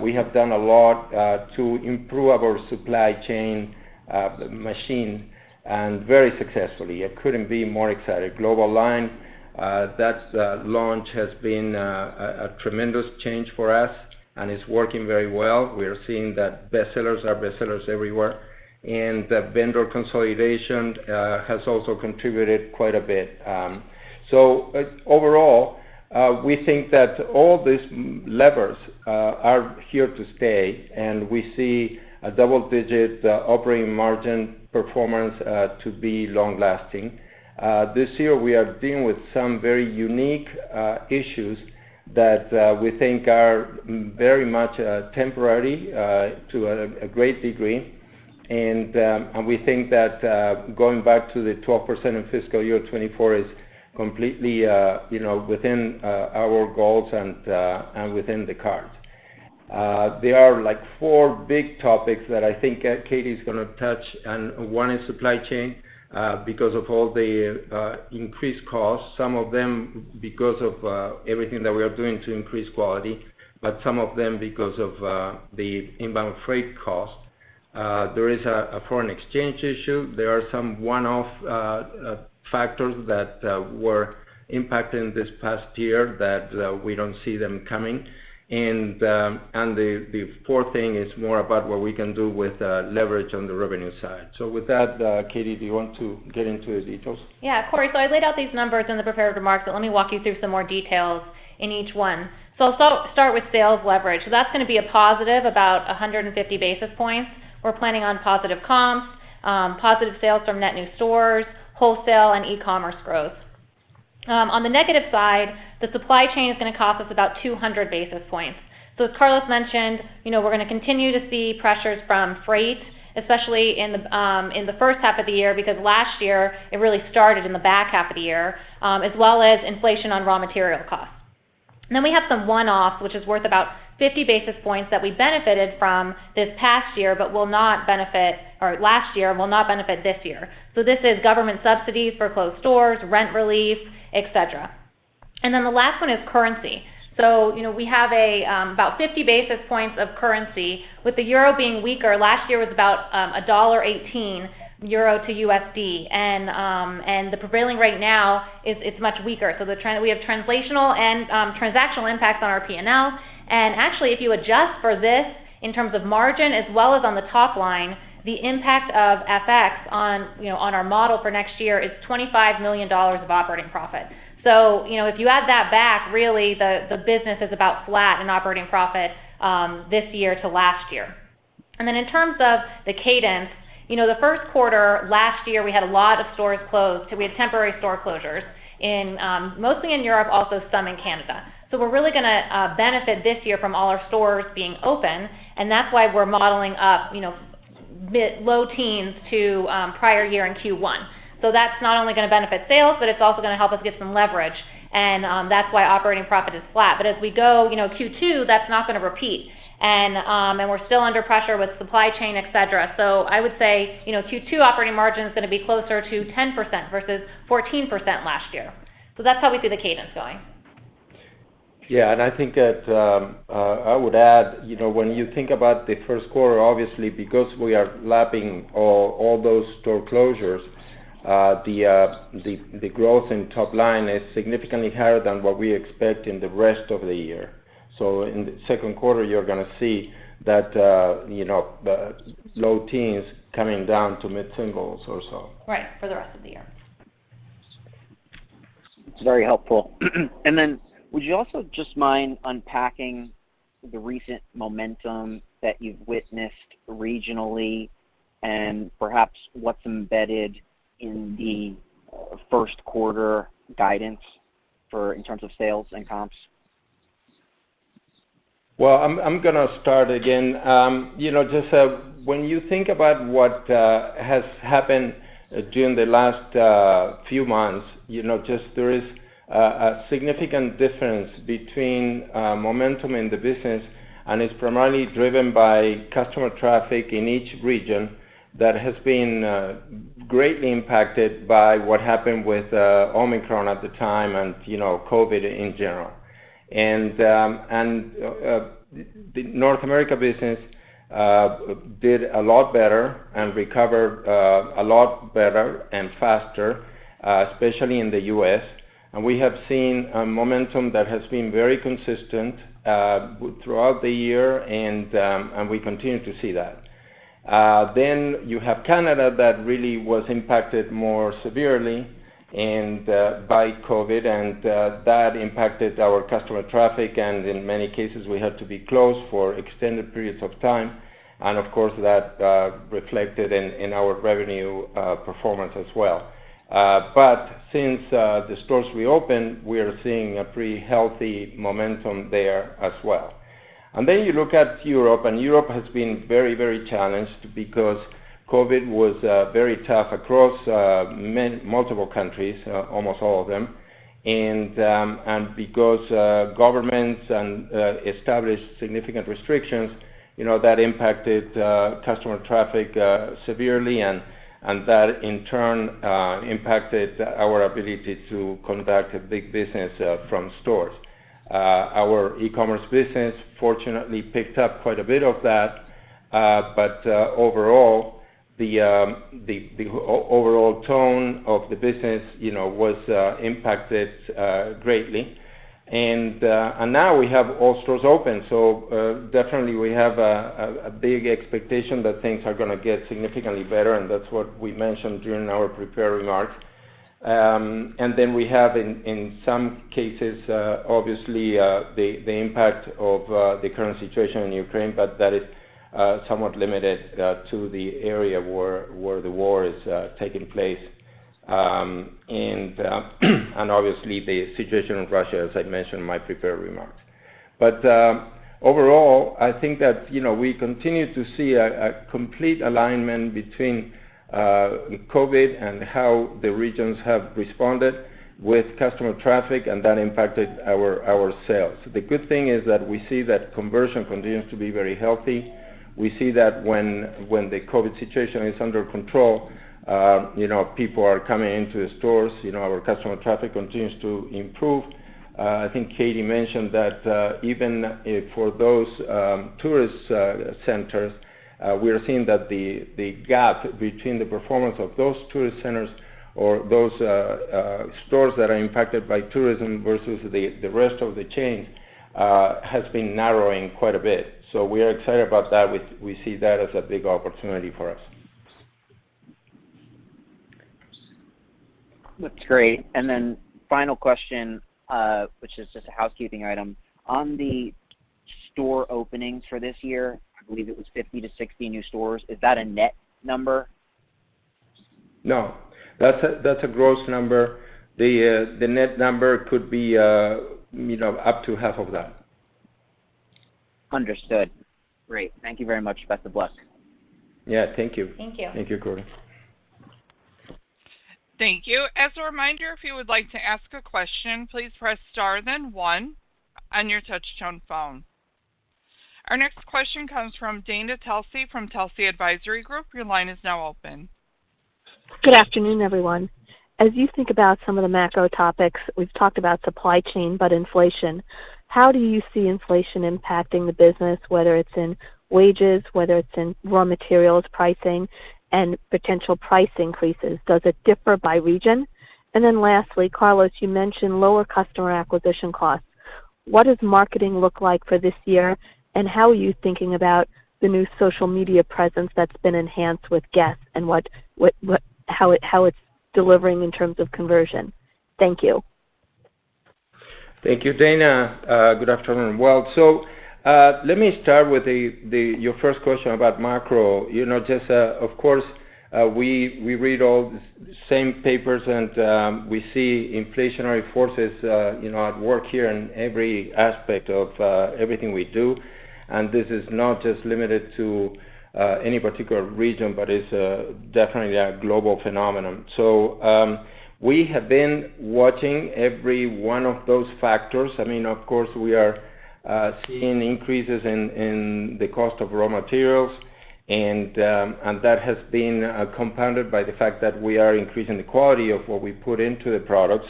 We have done a lot to improve our supply chain management and very successfully. I couldn't be more excited. The global line, the launch has been a tremendous change for us and is working very well. We are seeing that bestsellers are bestsellers everywhere, and the vendor consolidation has also contributed quite a bit. Overall, we think that all these levers are here to stay, and we see a double-digit operating margin performance to be long-lasting. This year, we are dealing with some very unique issues that we think are very much temporary to a great degree. We think that going back to the 12% in fiscal year 2024 is completely, you know, within our goals and within the cards. There are, like, four big topics that I think that Katie is gonna touch, and one is supply chain, because of all the increased costs, some of them because of everything that we are doing to increase quality, but some of them because of the inbound freight cost. There is a foreign exchange issue. There are some one-off factors that were impacting this past year that we don't see them coming. The fourth thing is more about what we can do with leverage on the revenue side. With that, Katie, do you want to get into the details? Yeah. Corey, I laid out these numbers in the prepared remarks, but let me walk you through some more details in each one. I'll start with sales leverage. That's gonna be a positive, about 150 basis points. We're planning on positive comps, positive sales from net new stores, wholesale, and e-commerce growth. On the negative side, the supply chain is gonna cost us about 200 basis points. As Carlos mentioned, you know, we're gonna continue to see pressures from freight, especially in the first half of the year, because last year, it really started in the back half of the year, as well as inflation on raw material costs. We have some one-off, which is worth about 50 basis points that we benefited from last year, but will not benefit this year. This is government subsidies for closed stores, rent relief, et cetera. The last one is currency. You know, we have about 50 basis points of currency with the euro being weaker. Last year was about $1.18 euro to USD. And the prevailing right now is it's much weaker. We have translational and transactional impacts on our P&L. And actually, if you adjust for this in terms of margin as well as on the top line, the impact of FX on our model for next year is $25 million of operating profit. You know, if you add that back, really the business is about flat in operating profit this year to last year. In terms of the cadence, you know, the first quarter last year, we had a lot of stores closed. We had temporary store closures in mostly in Europe, also some in Canada. We're really gonna benefit this year from all our stores being open, and that's why we're modeling up, you know, mid- to low-teens% to prior year in Q1. That's not only gonna benefit sales, but it's also gonna help us get some leverage. That's why operating profit is flat. As we go, you know, Q2, that's not gonna repeat. We're still under pressure with supply chain, etc. I would say, you know, Q2 operating margin is gonna be closer to 10% versus 14% last year. That's how we see the cadence going. Yeah. I think that I would add, you know, when you think about the first quarter, obviously, because we are lapping all those store closures, the growth in top line is significantly higher than what we expect in the rest of the year. In the second quarter, you're gonna see that, you know, the low teens% coming down to mid-singles% or so. Right, for the rest of the year. It's very helpful. Would you also just mind unpacking the recent momentum that you've witnessed regionally and perhaps what's embedded in the first quarter guidance for in terms of sales and comps? Well, I'm gonna start again. You know, just when you think about what has happened during the last few months, you know, just there is a significant difference between momentum in the business, and it's primarily driven by customer traffic in each region that has been greatly impacted by what happened with Omicron at the time and, you know, COVID in general. The North America business did a lot better and recovered a lot better and faster, especially in the U.S. We have seen a momentum that has been very consistent throughout the year, and we continue to see that. You have Canada that really was impacted more severely and by COVID, and that impacted our customer traffic, and in many cases, we had to be closed for extended periods of time. Of course, that reflected in our revenue performance as well. Since the stores reopened, we are seeing a pretty healthy momentum there as well. You look at Europe, and Europe has been very, very challenged because COVID was very tough across multiple countries, almost all of them. Because governments established significant restrictions, you know, that impacted customer traffic severely, and that in turn impacted our ability to conduct big business from stores. Our e-commerce business fortunately picked up quite a bit of that. Overall, the tone of the business, you know, was impacted greatly. Now we have all stores open. Definitely we have a big expectation that things are gonna get significantly better, and that's what we mentioned during our prepared remarks. We have in some cases obviously the impact of the current situation in Ukraine, but that is somewhat limited to the area where the war is taking place. Obviously the situation in Russia, as I mentioned in my prepared remarks. Overall, I think that, you know, we continue to see a complete alignment between COVID and how the regions have responded with customer traffic, and that impacted our sales. The good thing is that we see that conversion continues to be very healthy. We see that when the COVID situation is under control, people are coming into the stores. Our customer traffic continues to improve. I think Katie mentioned that even for those tourist centers, we are seeing that the gap between the performance of those tourist centers or those stores that are impacted by tourism versus the rest of the chain has been narrowing quite a bit. We are excited about that. We see that as a big opportunity for us. That's great. Final question, which is just a housekeeping item. On the store openings for this year, I believe it was 50-60 new stores. Is that a net number? No. That's a gross number. The net number could be, you know, up to half of that. Understood. Great. Thank you very much. Best of luck. Yeah, thank you. Thank you. Thank you, Corey. Thank you. As a reminder, if you would like to ask a question, please press star then one on your touchtone phone. Our next question comes from Dana Telsey from Telsey Advisory Group. Your line is now open. Good afternoon, everyone. As you think about some of the macro topics, we've talked about supply chain, but inflation, how do you see inflation impacting the business, whether it's in wages, whether it's in raw materials pricing and potential price increases? Does it differ by region? Then lastly, Carlos, you mentioned lower customer acquisition costs. What does marketing look like for this year, and how are you thinking about the new social media presence that's been enhanced with Guess?, and how it's delivering in terms of conversion? Thank you. Thank you, Dana. Good afternoon. Let me start with your first question about macro. You know, just of course we read all the same papers and we see inflationary forces you know at work here in every aspect of everything we do. This is not just limited to any particular region, but it's definitely a global phenomenon. We have been watching every one of those factors. I mean, of course, we are seeing increases in the cost of raw materials and that has been compounded by the fact that we are increasing the quality of what we put into the product.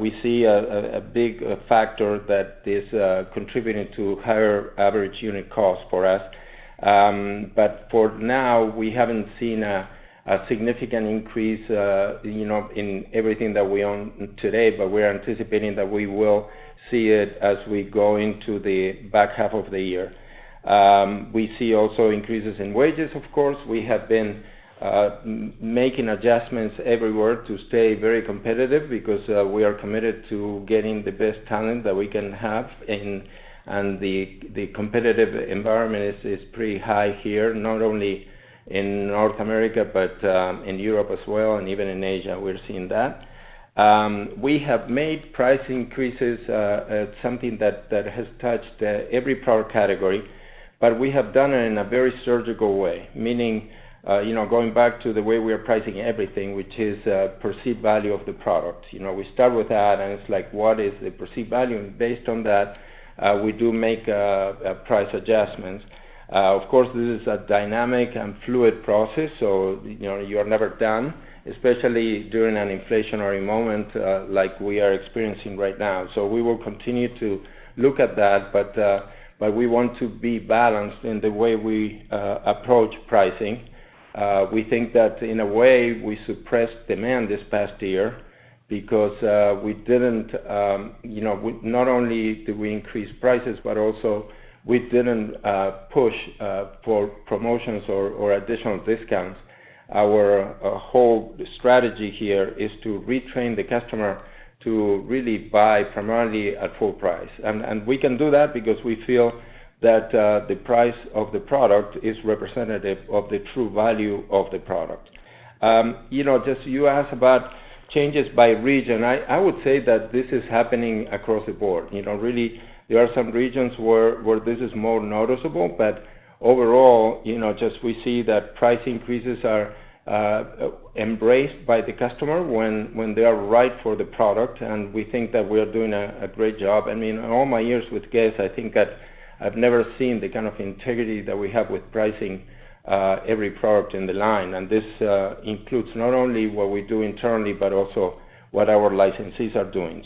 We see a big factor that is contributing to higher average unit cost for us. For now, we haven't seen a significant increase, you know, in everything that we own today, but we're anticipating that we will see it as we go into the back half of the year. We see also increases in wages, of course. We have been making adjustments everywhere to stay very competitive because we are committed to getting the best talent that we can have and the competitive environment is pretty high here, not only in North America, but in Europe as well, and even in Asia, we're seeing that. We have made price increases, something that has touched every product category, but we have done it in a very surgical way. Meaning, you know, going back to the way we are pricing everything, which is perceived value of the product. You know, we start with that, and it's like, what is the perceived value? Based on that, we do make price adjustments. Of course, this is a dynamic and fluid process, so you know, you are never done, especially during an inflationary moment like we are experiencing right now. We will continue to look at that, but we want to be balanced in the way we approach pricing. We think that in a way, we suppressed demand this past year because we didn't, you know, not only did we increase prices, but also we didn't push for promotions or additional discounts. Our whole strategy here is to retrain the customer to really buy primarily at full price. We can do that because we feel that the price of the product is representative of the true value of the product. You know, just you asked about changes by region. I would say that this is happening across the board. You know, really there are some regions where this is more noticeable, but overall, you know, just we see that price increases are embraced by the customer when they are right for the product, and we think that we are doing a great job. I mean, in all my years with Guess?, I think that I've never seen the kind of integrity that we have with pricing every product in the line. This includes not only what we do internally, but also what our licensees are doing.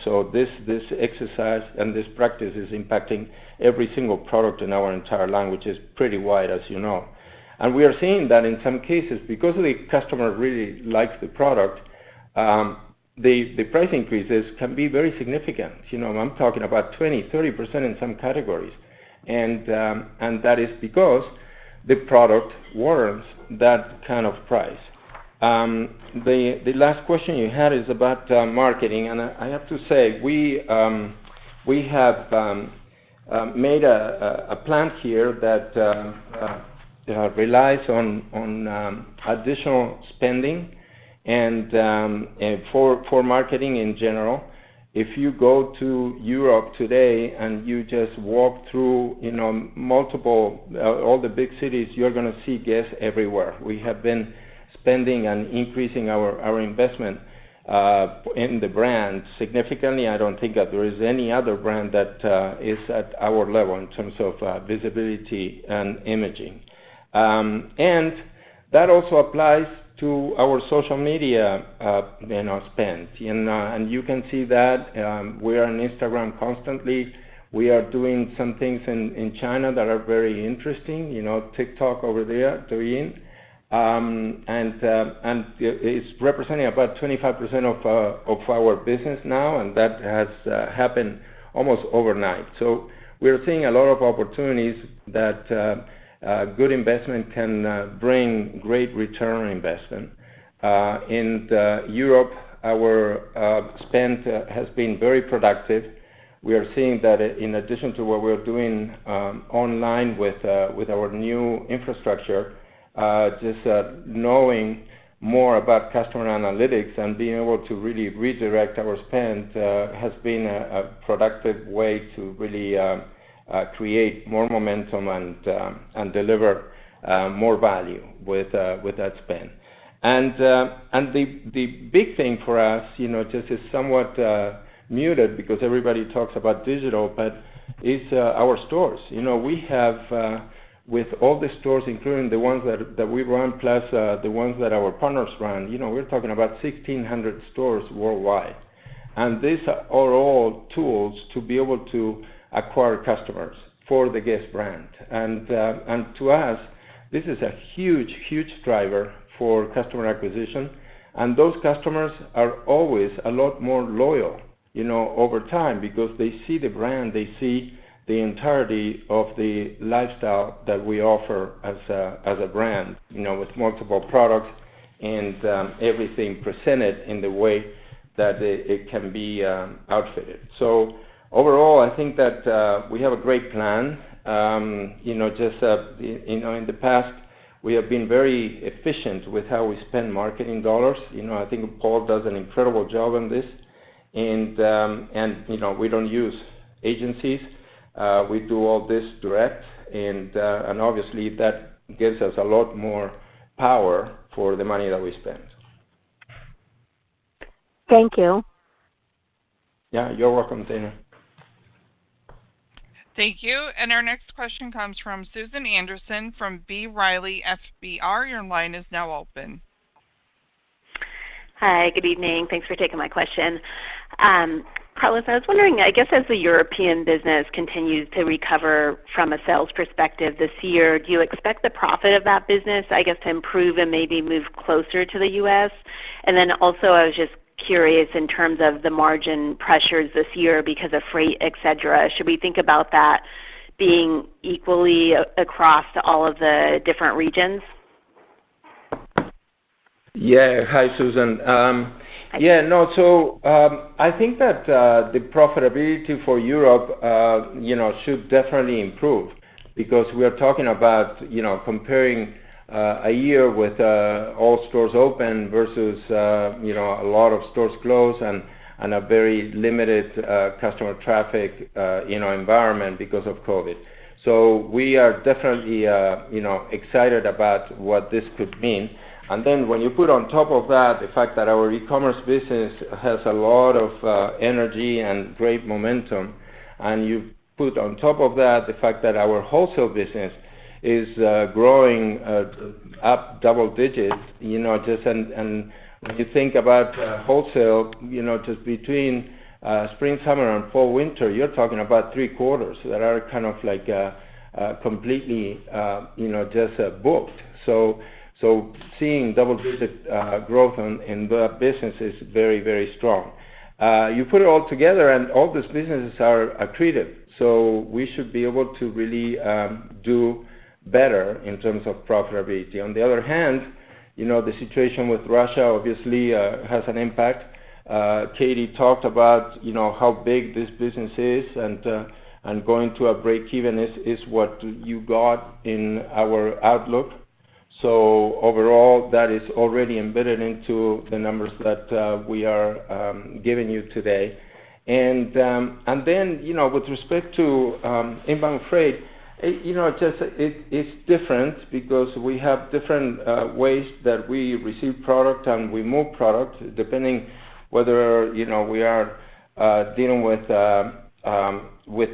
This exercise and this practice is impacting every single product in our entire line, which is pretty wide, as you know. We are seeing that in some cases, because the customer really likes the product, the price increases can be very significant. You know, I'm talking about 20%-30% in some categories. That is because the product warrants that kind of price. The last question you had is about marketing. I have to say, we have made a plan here that relies on additional spending for marketing in general. If you go to Europe today and you just walk through, you know, all the big cities, you're gonna see Guess? everywhere. We have been spending and increasing our investment in the brand significantly. I don't think that there is any other brand that is at our level in terms of visibility and imaging. That also applies to our social media, you know, spend. You can see that we are on Instagram constantly. We are doing some things in China that are very interesting, you know, TikTok over there, Douyin. It's representing about 25% of our business now, and that has happened almost overnight. We are seeing a lot of opportunities that good investment can bring great return on investment. In Europe, our spend has been very productive. We are seeing that in addition to what we're doing online with our new infrastructure just knowing more about customer analytics and being able to really redirect our spend has been a productive way to really create more momentum and deliver more value with that spend. The big thing for us, you know, just is somewhat muted because everybody talks about digital, but it's our stores. You know, we have, with all the stores, including the ones that we run, plus the ones that our partners run, you know, we're talking about 1,600 stores worldwide. These are all tools to be able to acquire customers for the Guess brand. To us, this is a huge huge driver for customer acquisition. Those customers are always a lot more loyal, you know, over time because they see the brand, they see the entirety of the lifestyle that we offer as a brand, you know, with multiple products and everything presented in the way that it can be outfitted. Overall, I think that we have a great plan. You know, just you know, in the past, we have been very efficient with how we spend marketing dollars. You know, I think Paul does an incredible job on this. And you know, we don't use agencies. We do all this direct, and obviously that gives us a lot more power for the money that we spend. Thank you. Yeah, you're welcome, Tina. Thank you. Our next question comes from Susan Anderson from B. Riley FBR. Your line is now open. Hi. Good evening. Thanks for taking my question. Carlos, I was wondering, I guess, as the European business continues to recover from a sales perspective this year, do you expect the profit of that business, I guess, to improve and maybe move closer to the U.S.? I was just curious in terms of the margin pressures this year because of freight, et cetera, should we think about that being equally across all of the different regions? Yeah. Hi, Susan. Yeah, no. I think that the profitability for Europe you know should definitely improve because we're talking about you know comparing a year with all stores open versus you know a lot of stores closed and a very limited customer traffic you know environment because of COVID. We are definitely you know excited about what this could mean. When you put on top of that the fact that our e-commerce business has a lot of energy and great momentum, and you put on top of that the fact that our wholesale business is growing up double digits, you know, just. When you think about wholesale, you know, just between spring/summer and fall/winter, you're talking about three quarters that are kind of like completely, you know, just booked. Seeing double-digit growth in the business is very, very strong. You put it all together, and all these businesses are accretive. We should be able to really do better in terms of profitability. On the other hand, you know, the situation with Russia obviously has an impact. Katie talked about, you know, how big this business is, and going to a breakeven is what you got in our outlook. Overall, that is already embedded into the numbers that we are giving you today. You know, with respect to inbound freight, you know, just it's different because we have different ways that we receive product and we move product depending whether you know, we are dealing with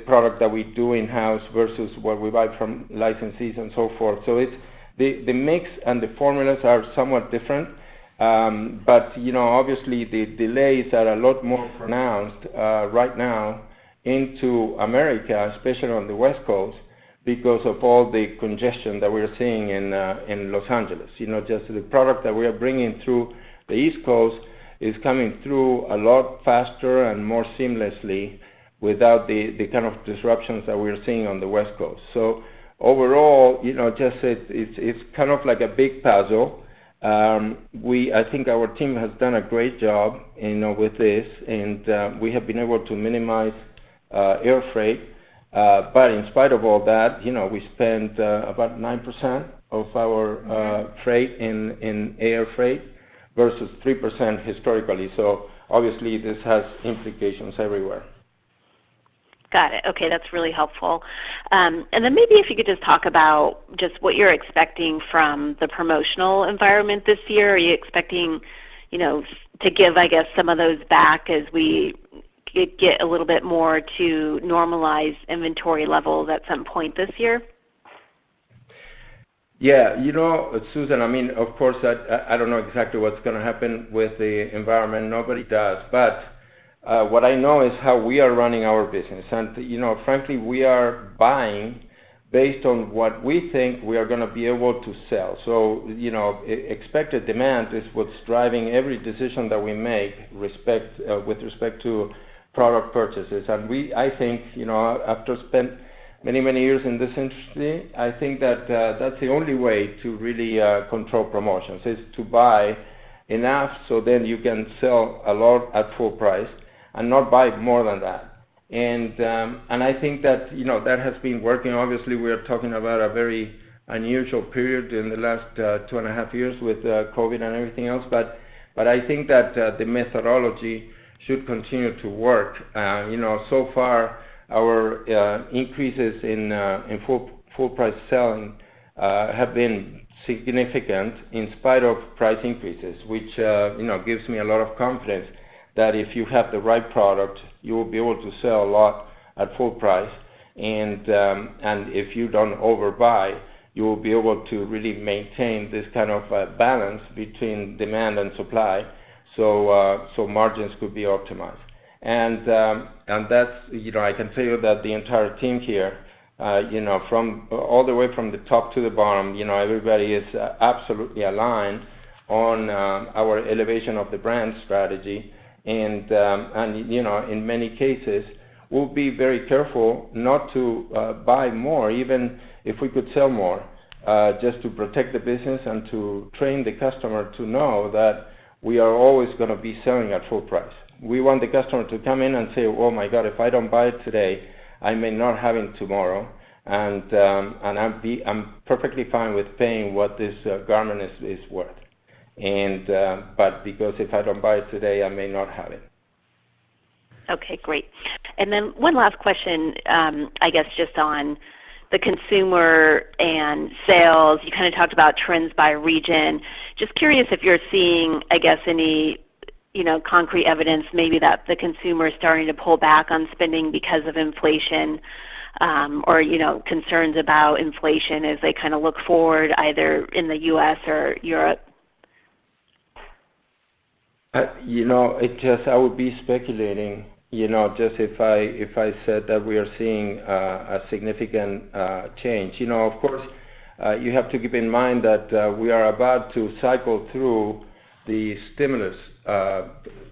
product that we do in-house versus what we buy from licensees and so forth. It's the mix and the formulas are somewhat different. You know, obviously the delays are a lot more pronounced right now into America, especially on the West Coast, because of all the congestion that we're seeing in Los Angeles. You know, just the product that we are bringing through the East Coast is coming through a lot faster and more seamlessly without the kind of disruptions that we're seeing on the West Coast. Overall, you know, it's kind of like a big puzzle. I think our team has done a great job, you know, with this, and we have been able to minimize air freight. But in spite of all that, you know, we spent about 9% of our freight in air freight versus 3% historically. Obviously this has implications everywhere. Got it. Okay, that's really helpful. Maybe if you could just talk about just what you're expecting from the promotional environment this year. Are you expecting, you know, to give, I guess, some of those back as we get a little bit more to normalized inventory levels at some point this year? Yeah. You know, Susan, I mean, of course, I don't know exactly what's gonna happen with the environment. Nobody does. What I know is how we are running our business. You know, frankly, we are buying based on what we think we are gonna be able to sell. You know, expected demand is what's driving every decision that we make with respect to product purchases. I think, you know, after spending many years in this industry, I think that that's the only way to really control promotions, is to buy enough so then you can sell a lot at full price and not buy more than that. I think that, you know, that has been working. Obviously, we are talking about a very unusual period in the last two and a half years with COVID and everything else. I think that the methodology should continue to work. You know, so far our increases in full price selling have been significant in spite of price increases, which you know, gives me a lot of confidence that if you have the right product, you will be able to sell a lot at full price. If you don't overbuy, you will be able to really maintain this kind of balance between demand and supply, so margins could be optimized. You know, I can tell you that the entire team here, you know, from all the way from the top to the bottom, you know, everybody is absolutely aligned on our elevation of the brand strategy. You know, in many cases, we'll be very careful not to buy more, even if we could sell more, just to protect the business and to train the customer to know that we are always gonna be selling at full price. We want the customer to come in and say, "Oh my God, if I don't buy it today, I may not have it tomorrow. I'm perfectly fine with paying what this garment is worth. But because if I don't buy it today, I may not have it. Okay, great. One last question, I guess, just on the consumer and sales. You kinda talked about trends by region. Just curious if you're seeing, I guess, any, you know, concrete evidence maybe that the consumer is starting to pull back on spending because of inflation, or, you know, concerns about inflation as they kinda look forward either in the U.S. or Europe? You know, I would be speculating, you know, just if I said that we are seeing a significant change. You know, of course, you have to keep in mind that we are about to cycle through the stimulus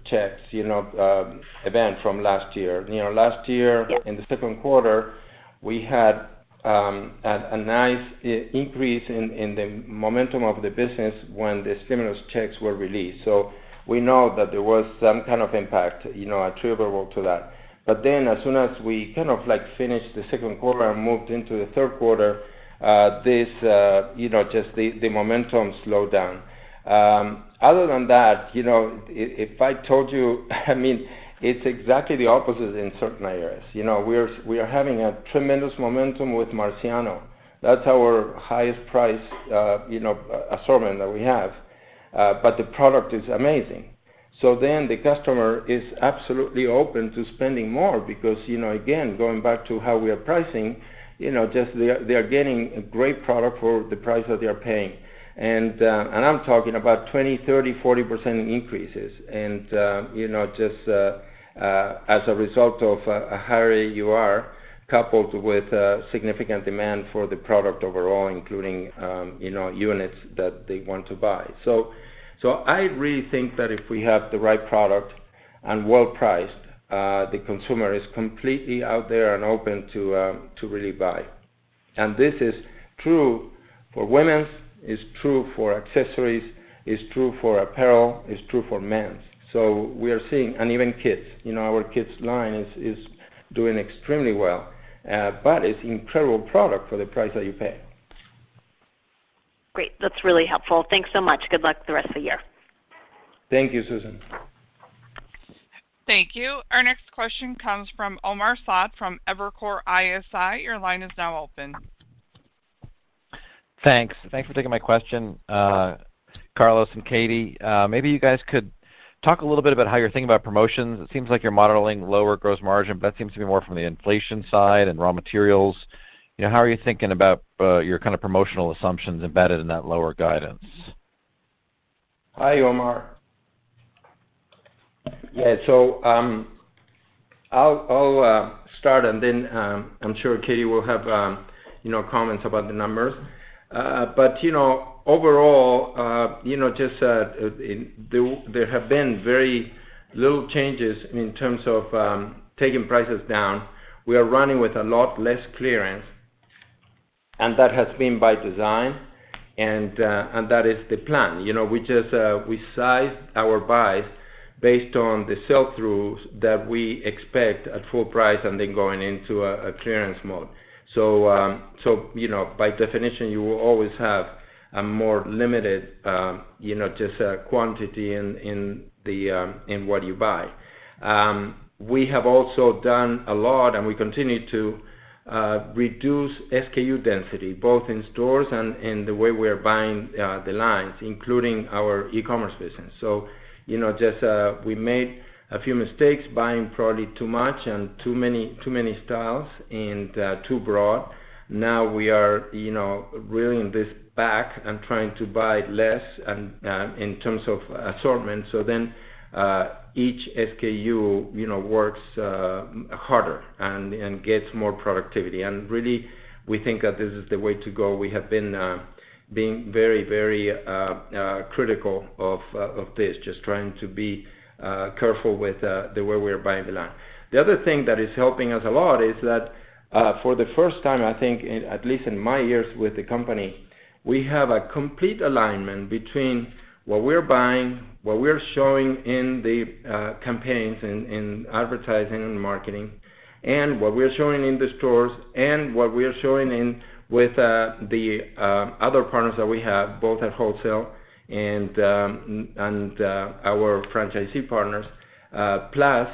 checks, you know, event from last year. You know, last year. Yeah In the second quarter, we had a nice increase in the momentum of the business when the stimulus checks were released. We know that there was some kind of impact, you know, attributable to that. As soon as we kind of, like, finished the second quarter and moved into the third quarter, you know, just the momentum slowed down. Other than that, you know, if I told you I mean, it's exactly the opposite in certain areas. You know, we are having a tremendous momentum with Marciano. That's our highest price, you know, assortment that we have. The product is amazing. The customer is absolutely open to spending more because, you know, again, going back to how we are pricing, you know, just they are getting a great product for the price that they are paying. I'm talking about 20, 30, 40% increases. You know, as a result of a higher AUR coupled with significant demand for the product overall, including units that they want to buy. I really think that if we have the right product and well-priced, the consumer is completely out there and open to really buy. This is true for women's, it's true for accessories, it's true for apparel, it's true for men's. We are seeing even kids. You know, our kids line is doing extremely well. It's incredible product for the price that you pay. Great. That's really helpful. Thanks so much. Good luck the rest of the year. Thank you, Susan. Thank you. Our next question comes from Omar Saad from Evercore ISI. Your line is now open. Thanks. Thanks for taking my question, Carlos and Katie. Maybe you guys could talk a little bit about how you're thinking about promotions. It seems like you're modeling lower gross margin, but that seems to be more from the inflation side and raw materials. You know, how are you thinking about your kinda promotional assumptions embedded in that lower guidance? Hi, Omar. Yeah. I'll start, and then I'm sure Katie will have, you know, comments about the numbers. You know, overall, you know, just, there have been very little changes in terms of taking prices down. We are running with a lot less clearance, and that has been by design, and that is the plan. You know, we just size our buys based on the sell-throughs that we expect at full price and then going into a clearance mode. By definition, you will always have a more limited, you know, just, quantity in what you buy. We have also done a lot, and we continue to reduce SKU density, both in stores and in the way we are buying the lines, including our e-commerce business. You know, just we made a few mistakes buying probably too much and too many styles and too broad. Now we are, you know, reeling this back and trying to buy less in terms of assortment. Each SKU, you know, works harder and gets more productivity. Really, we think that this is the way to go. We have been being very critical of this, just trying to be careful with the way we are buying the line. The other thing that is helping us a lot is that, for the first time, I think, in at least my years with the company, we have a complete alignment between what we're buying, what we're showing in the campaigns in advertising and marketing, and what we're showing in the stores and what we are showing with the other partners that we have, both at wholesale and our franchisee partners, plus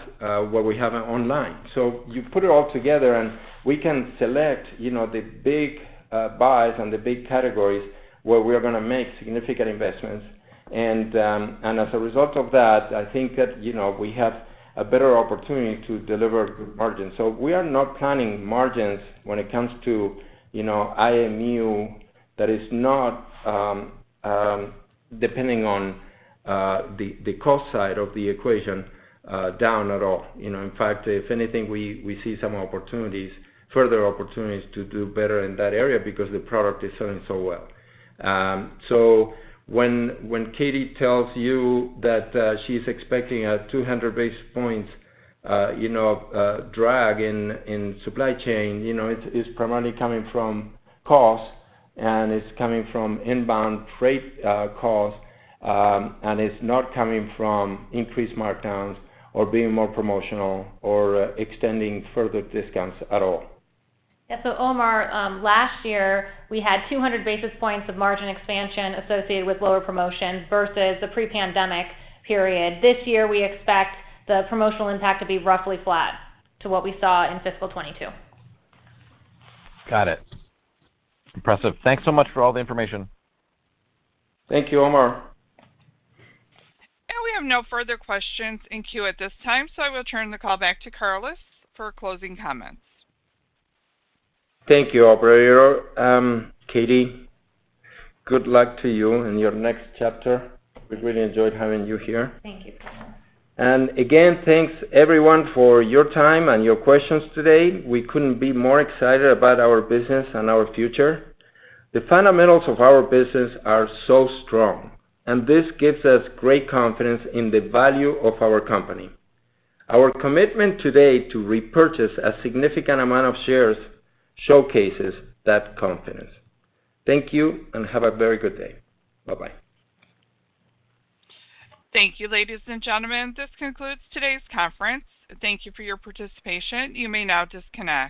what we have online. You put it all together, and we can select, you know, the big buys and the big categories where we are gonna make significant investments. As a result of that, I think that, you know, we have a better opportunity to deliver good margins. We are not planning margins when it comes to, you know, IMU that is not depending on the cost side of the equation down at all. You know, in fact, if anything, we see some opportunities, further opportunities to do better in that area because the product is selling so well. When Katie tells you that she's expecting a 200 basis points, you know, drag in supply chain, you know, it's primarily coming from cost and it's coming from inbound freight costs, and it's not coming from increased markdowns or being more promotional or extending further discounts at all. Yeah. Omar, last year, we had 200 basis points of margin expansion associated with lower promotions versus the pre-pandemic period. This year, we expect the promotional impact to be roughly flat to what we saw in fiscal 2022. Got it. Impressive. Thanks so much for all the information. Thank you, Omar. We have no further questions in queue at this time, so I will turn the call back to Carlos for closing comments. Thank you, operator. Katie, good luck to you in your next chapter. We really enjoyed having you here. Thank you, Carlos. Again, thanks everyone for your time and your questions today. We couldn't be more excited about our business and our future. The fundamentals of our business are so strong, and this gives us great confidence in the value of our company. Our commitment today to repurchase a significant amount of shares showcases that confidence. Thank you and have a very good day. Bye-bye. Thank you, ladies and gentlemen. This concludes today's conference. Thank you for your participation. You may now disconnect.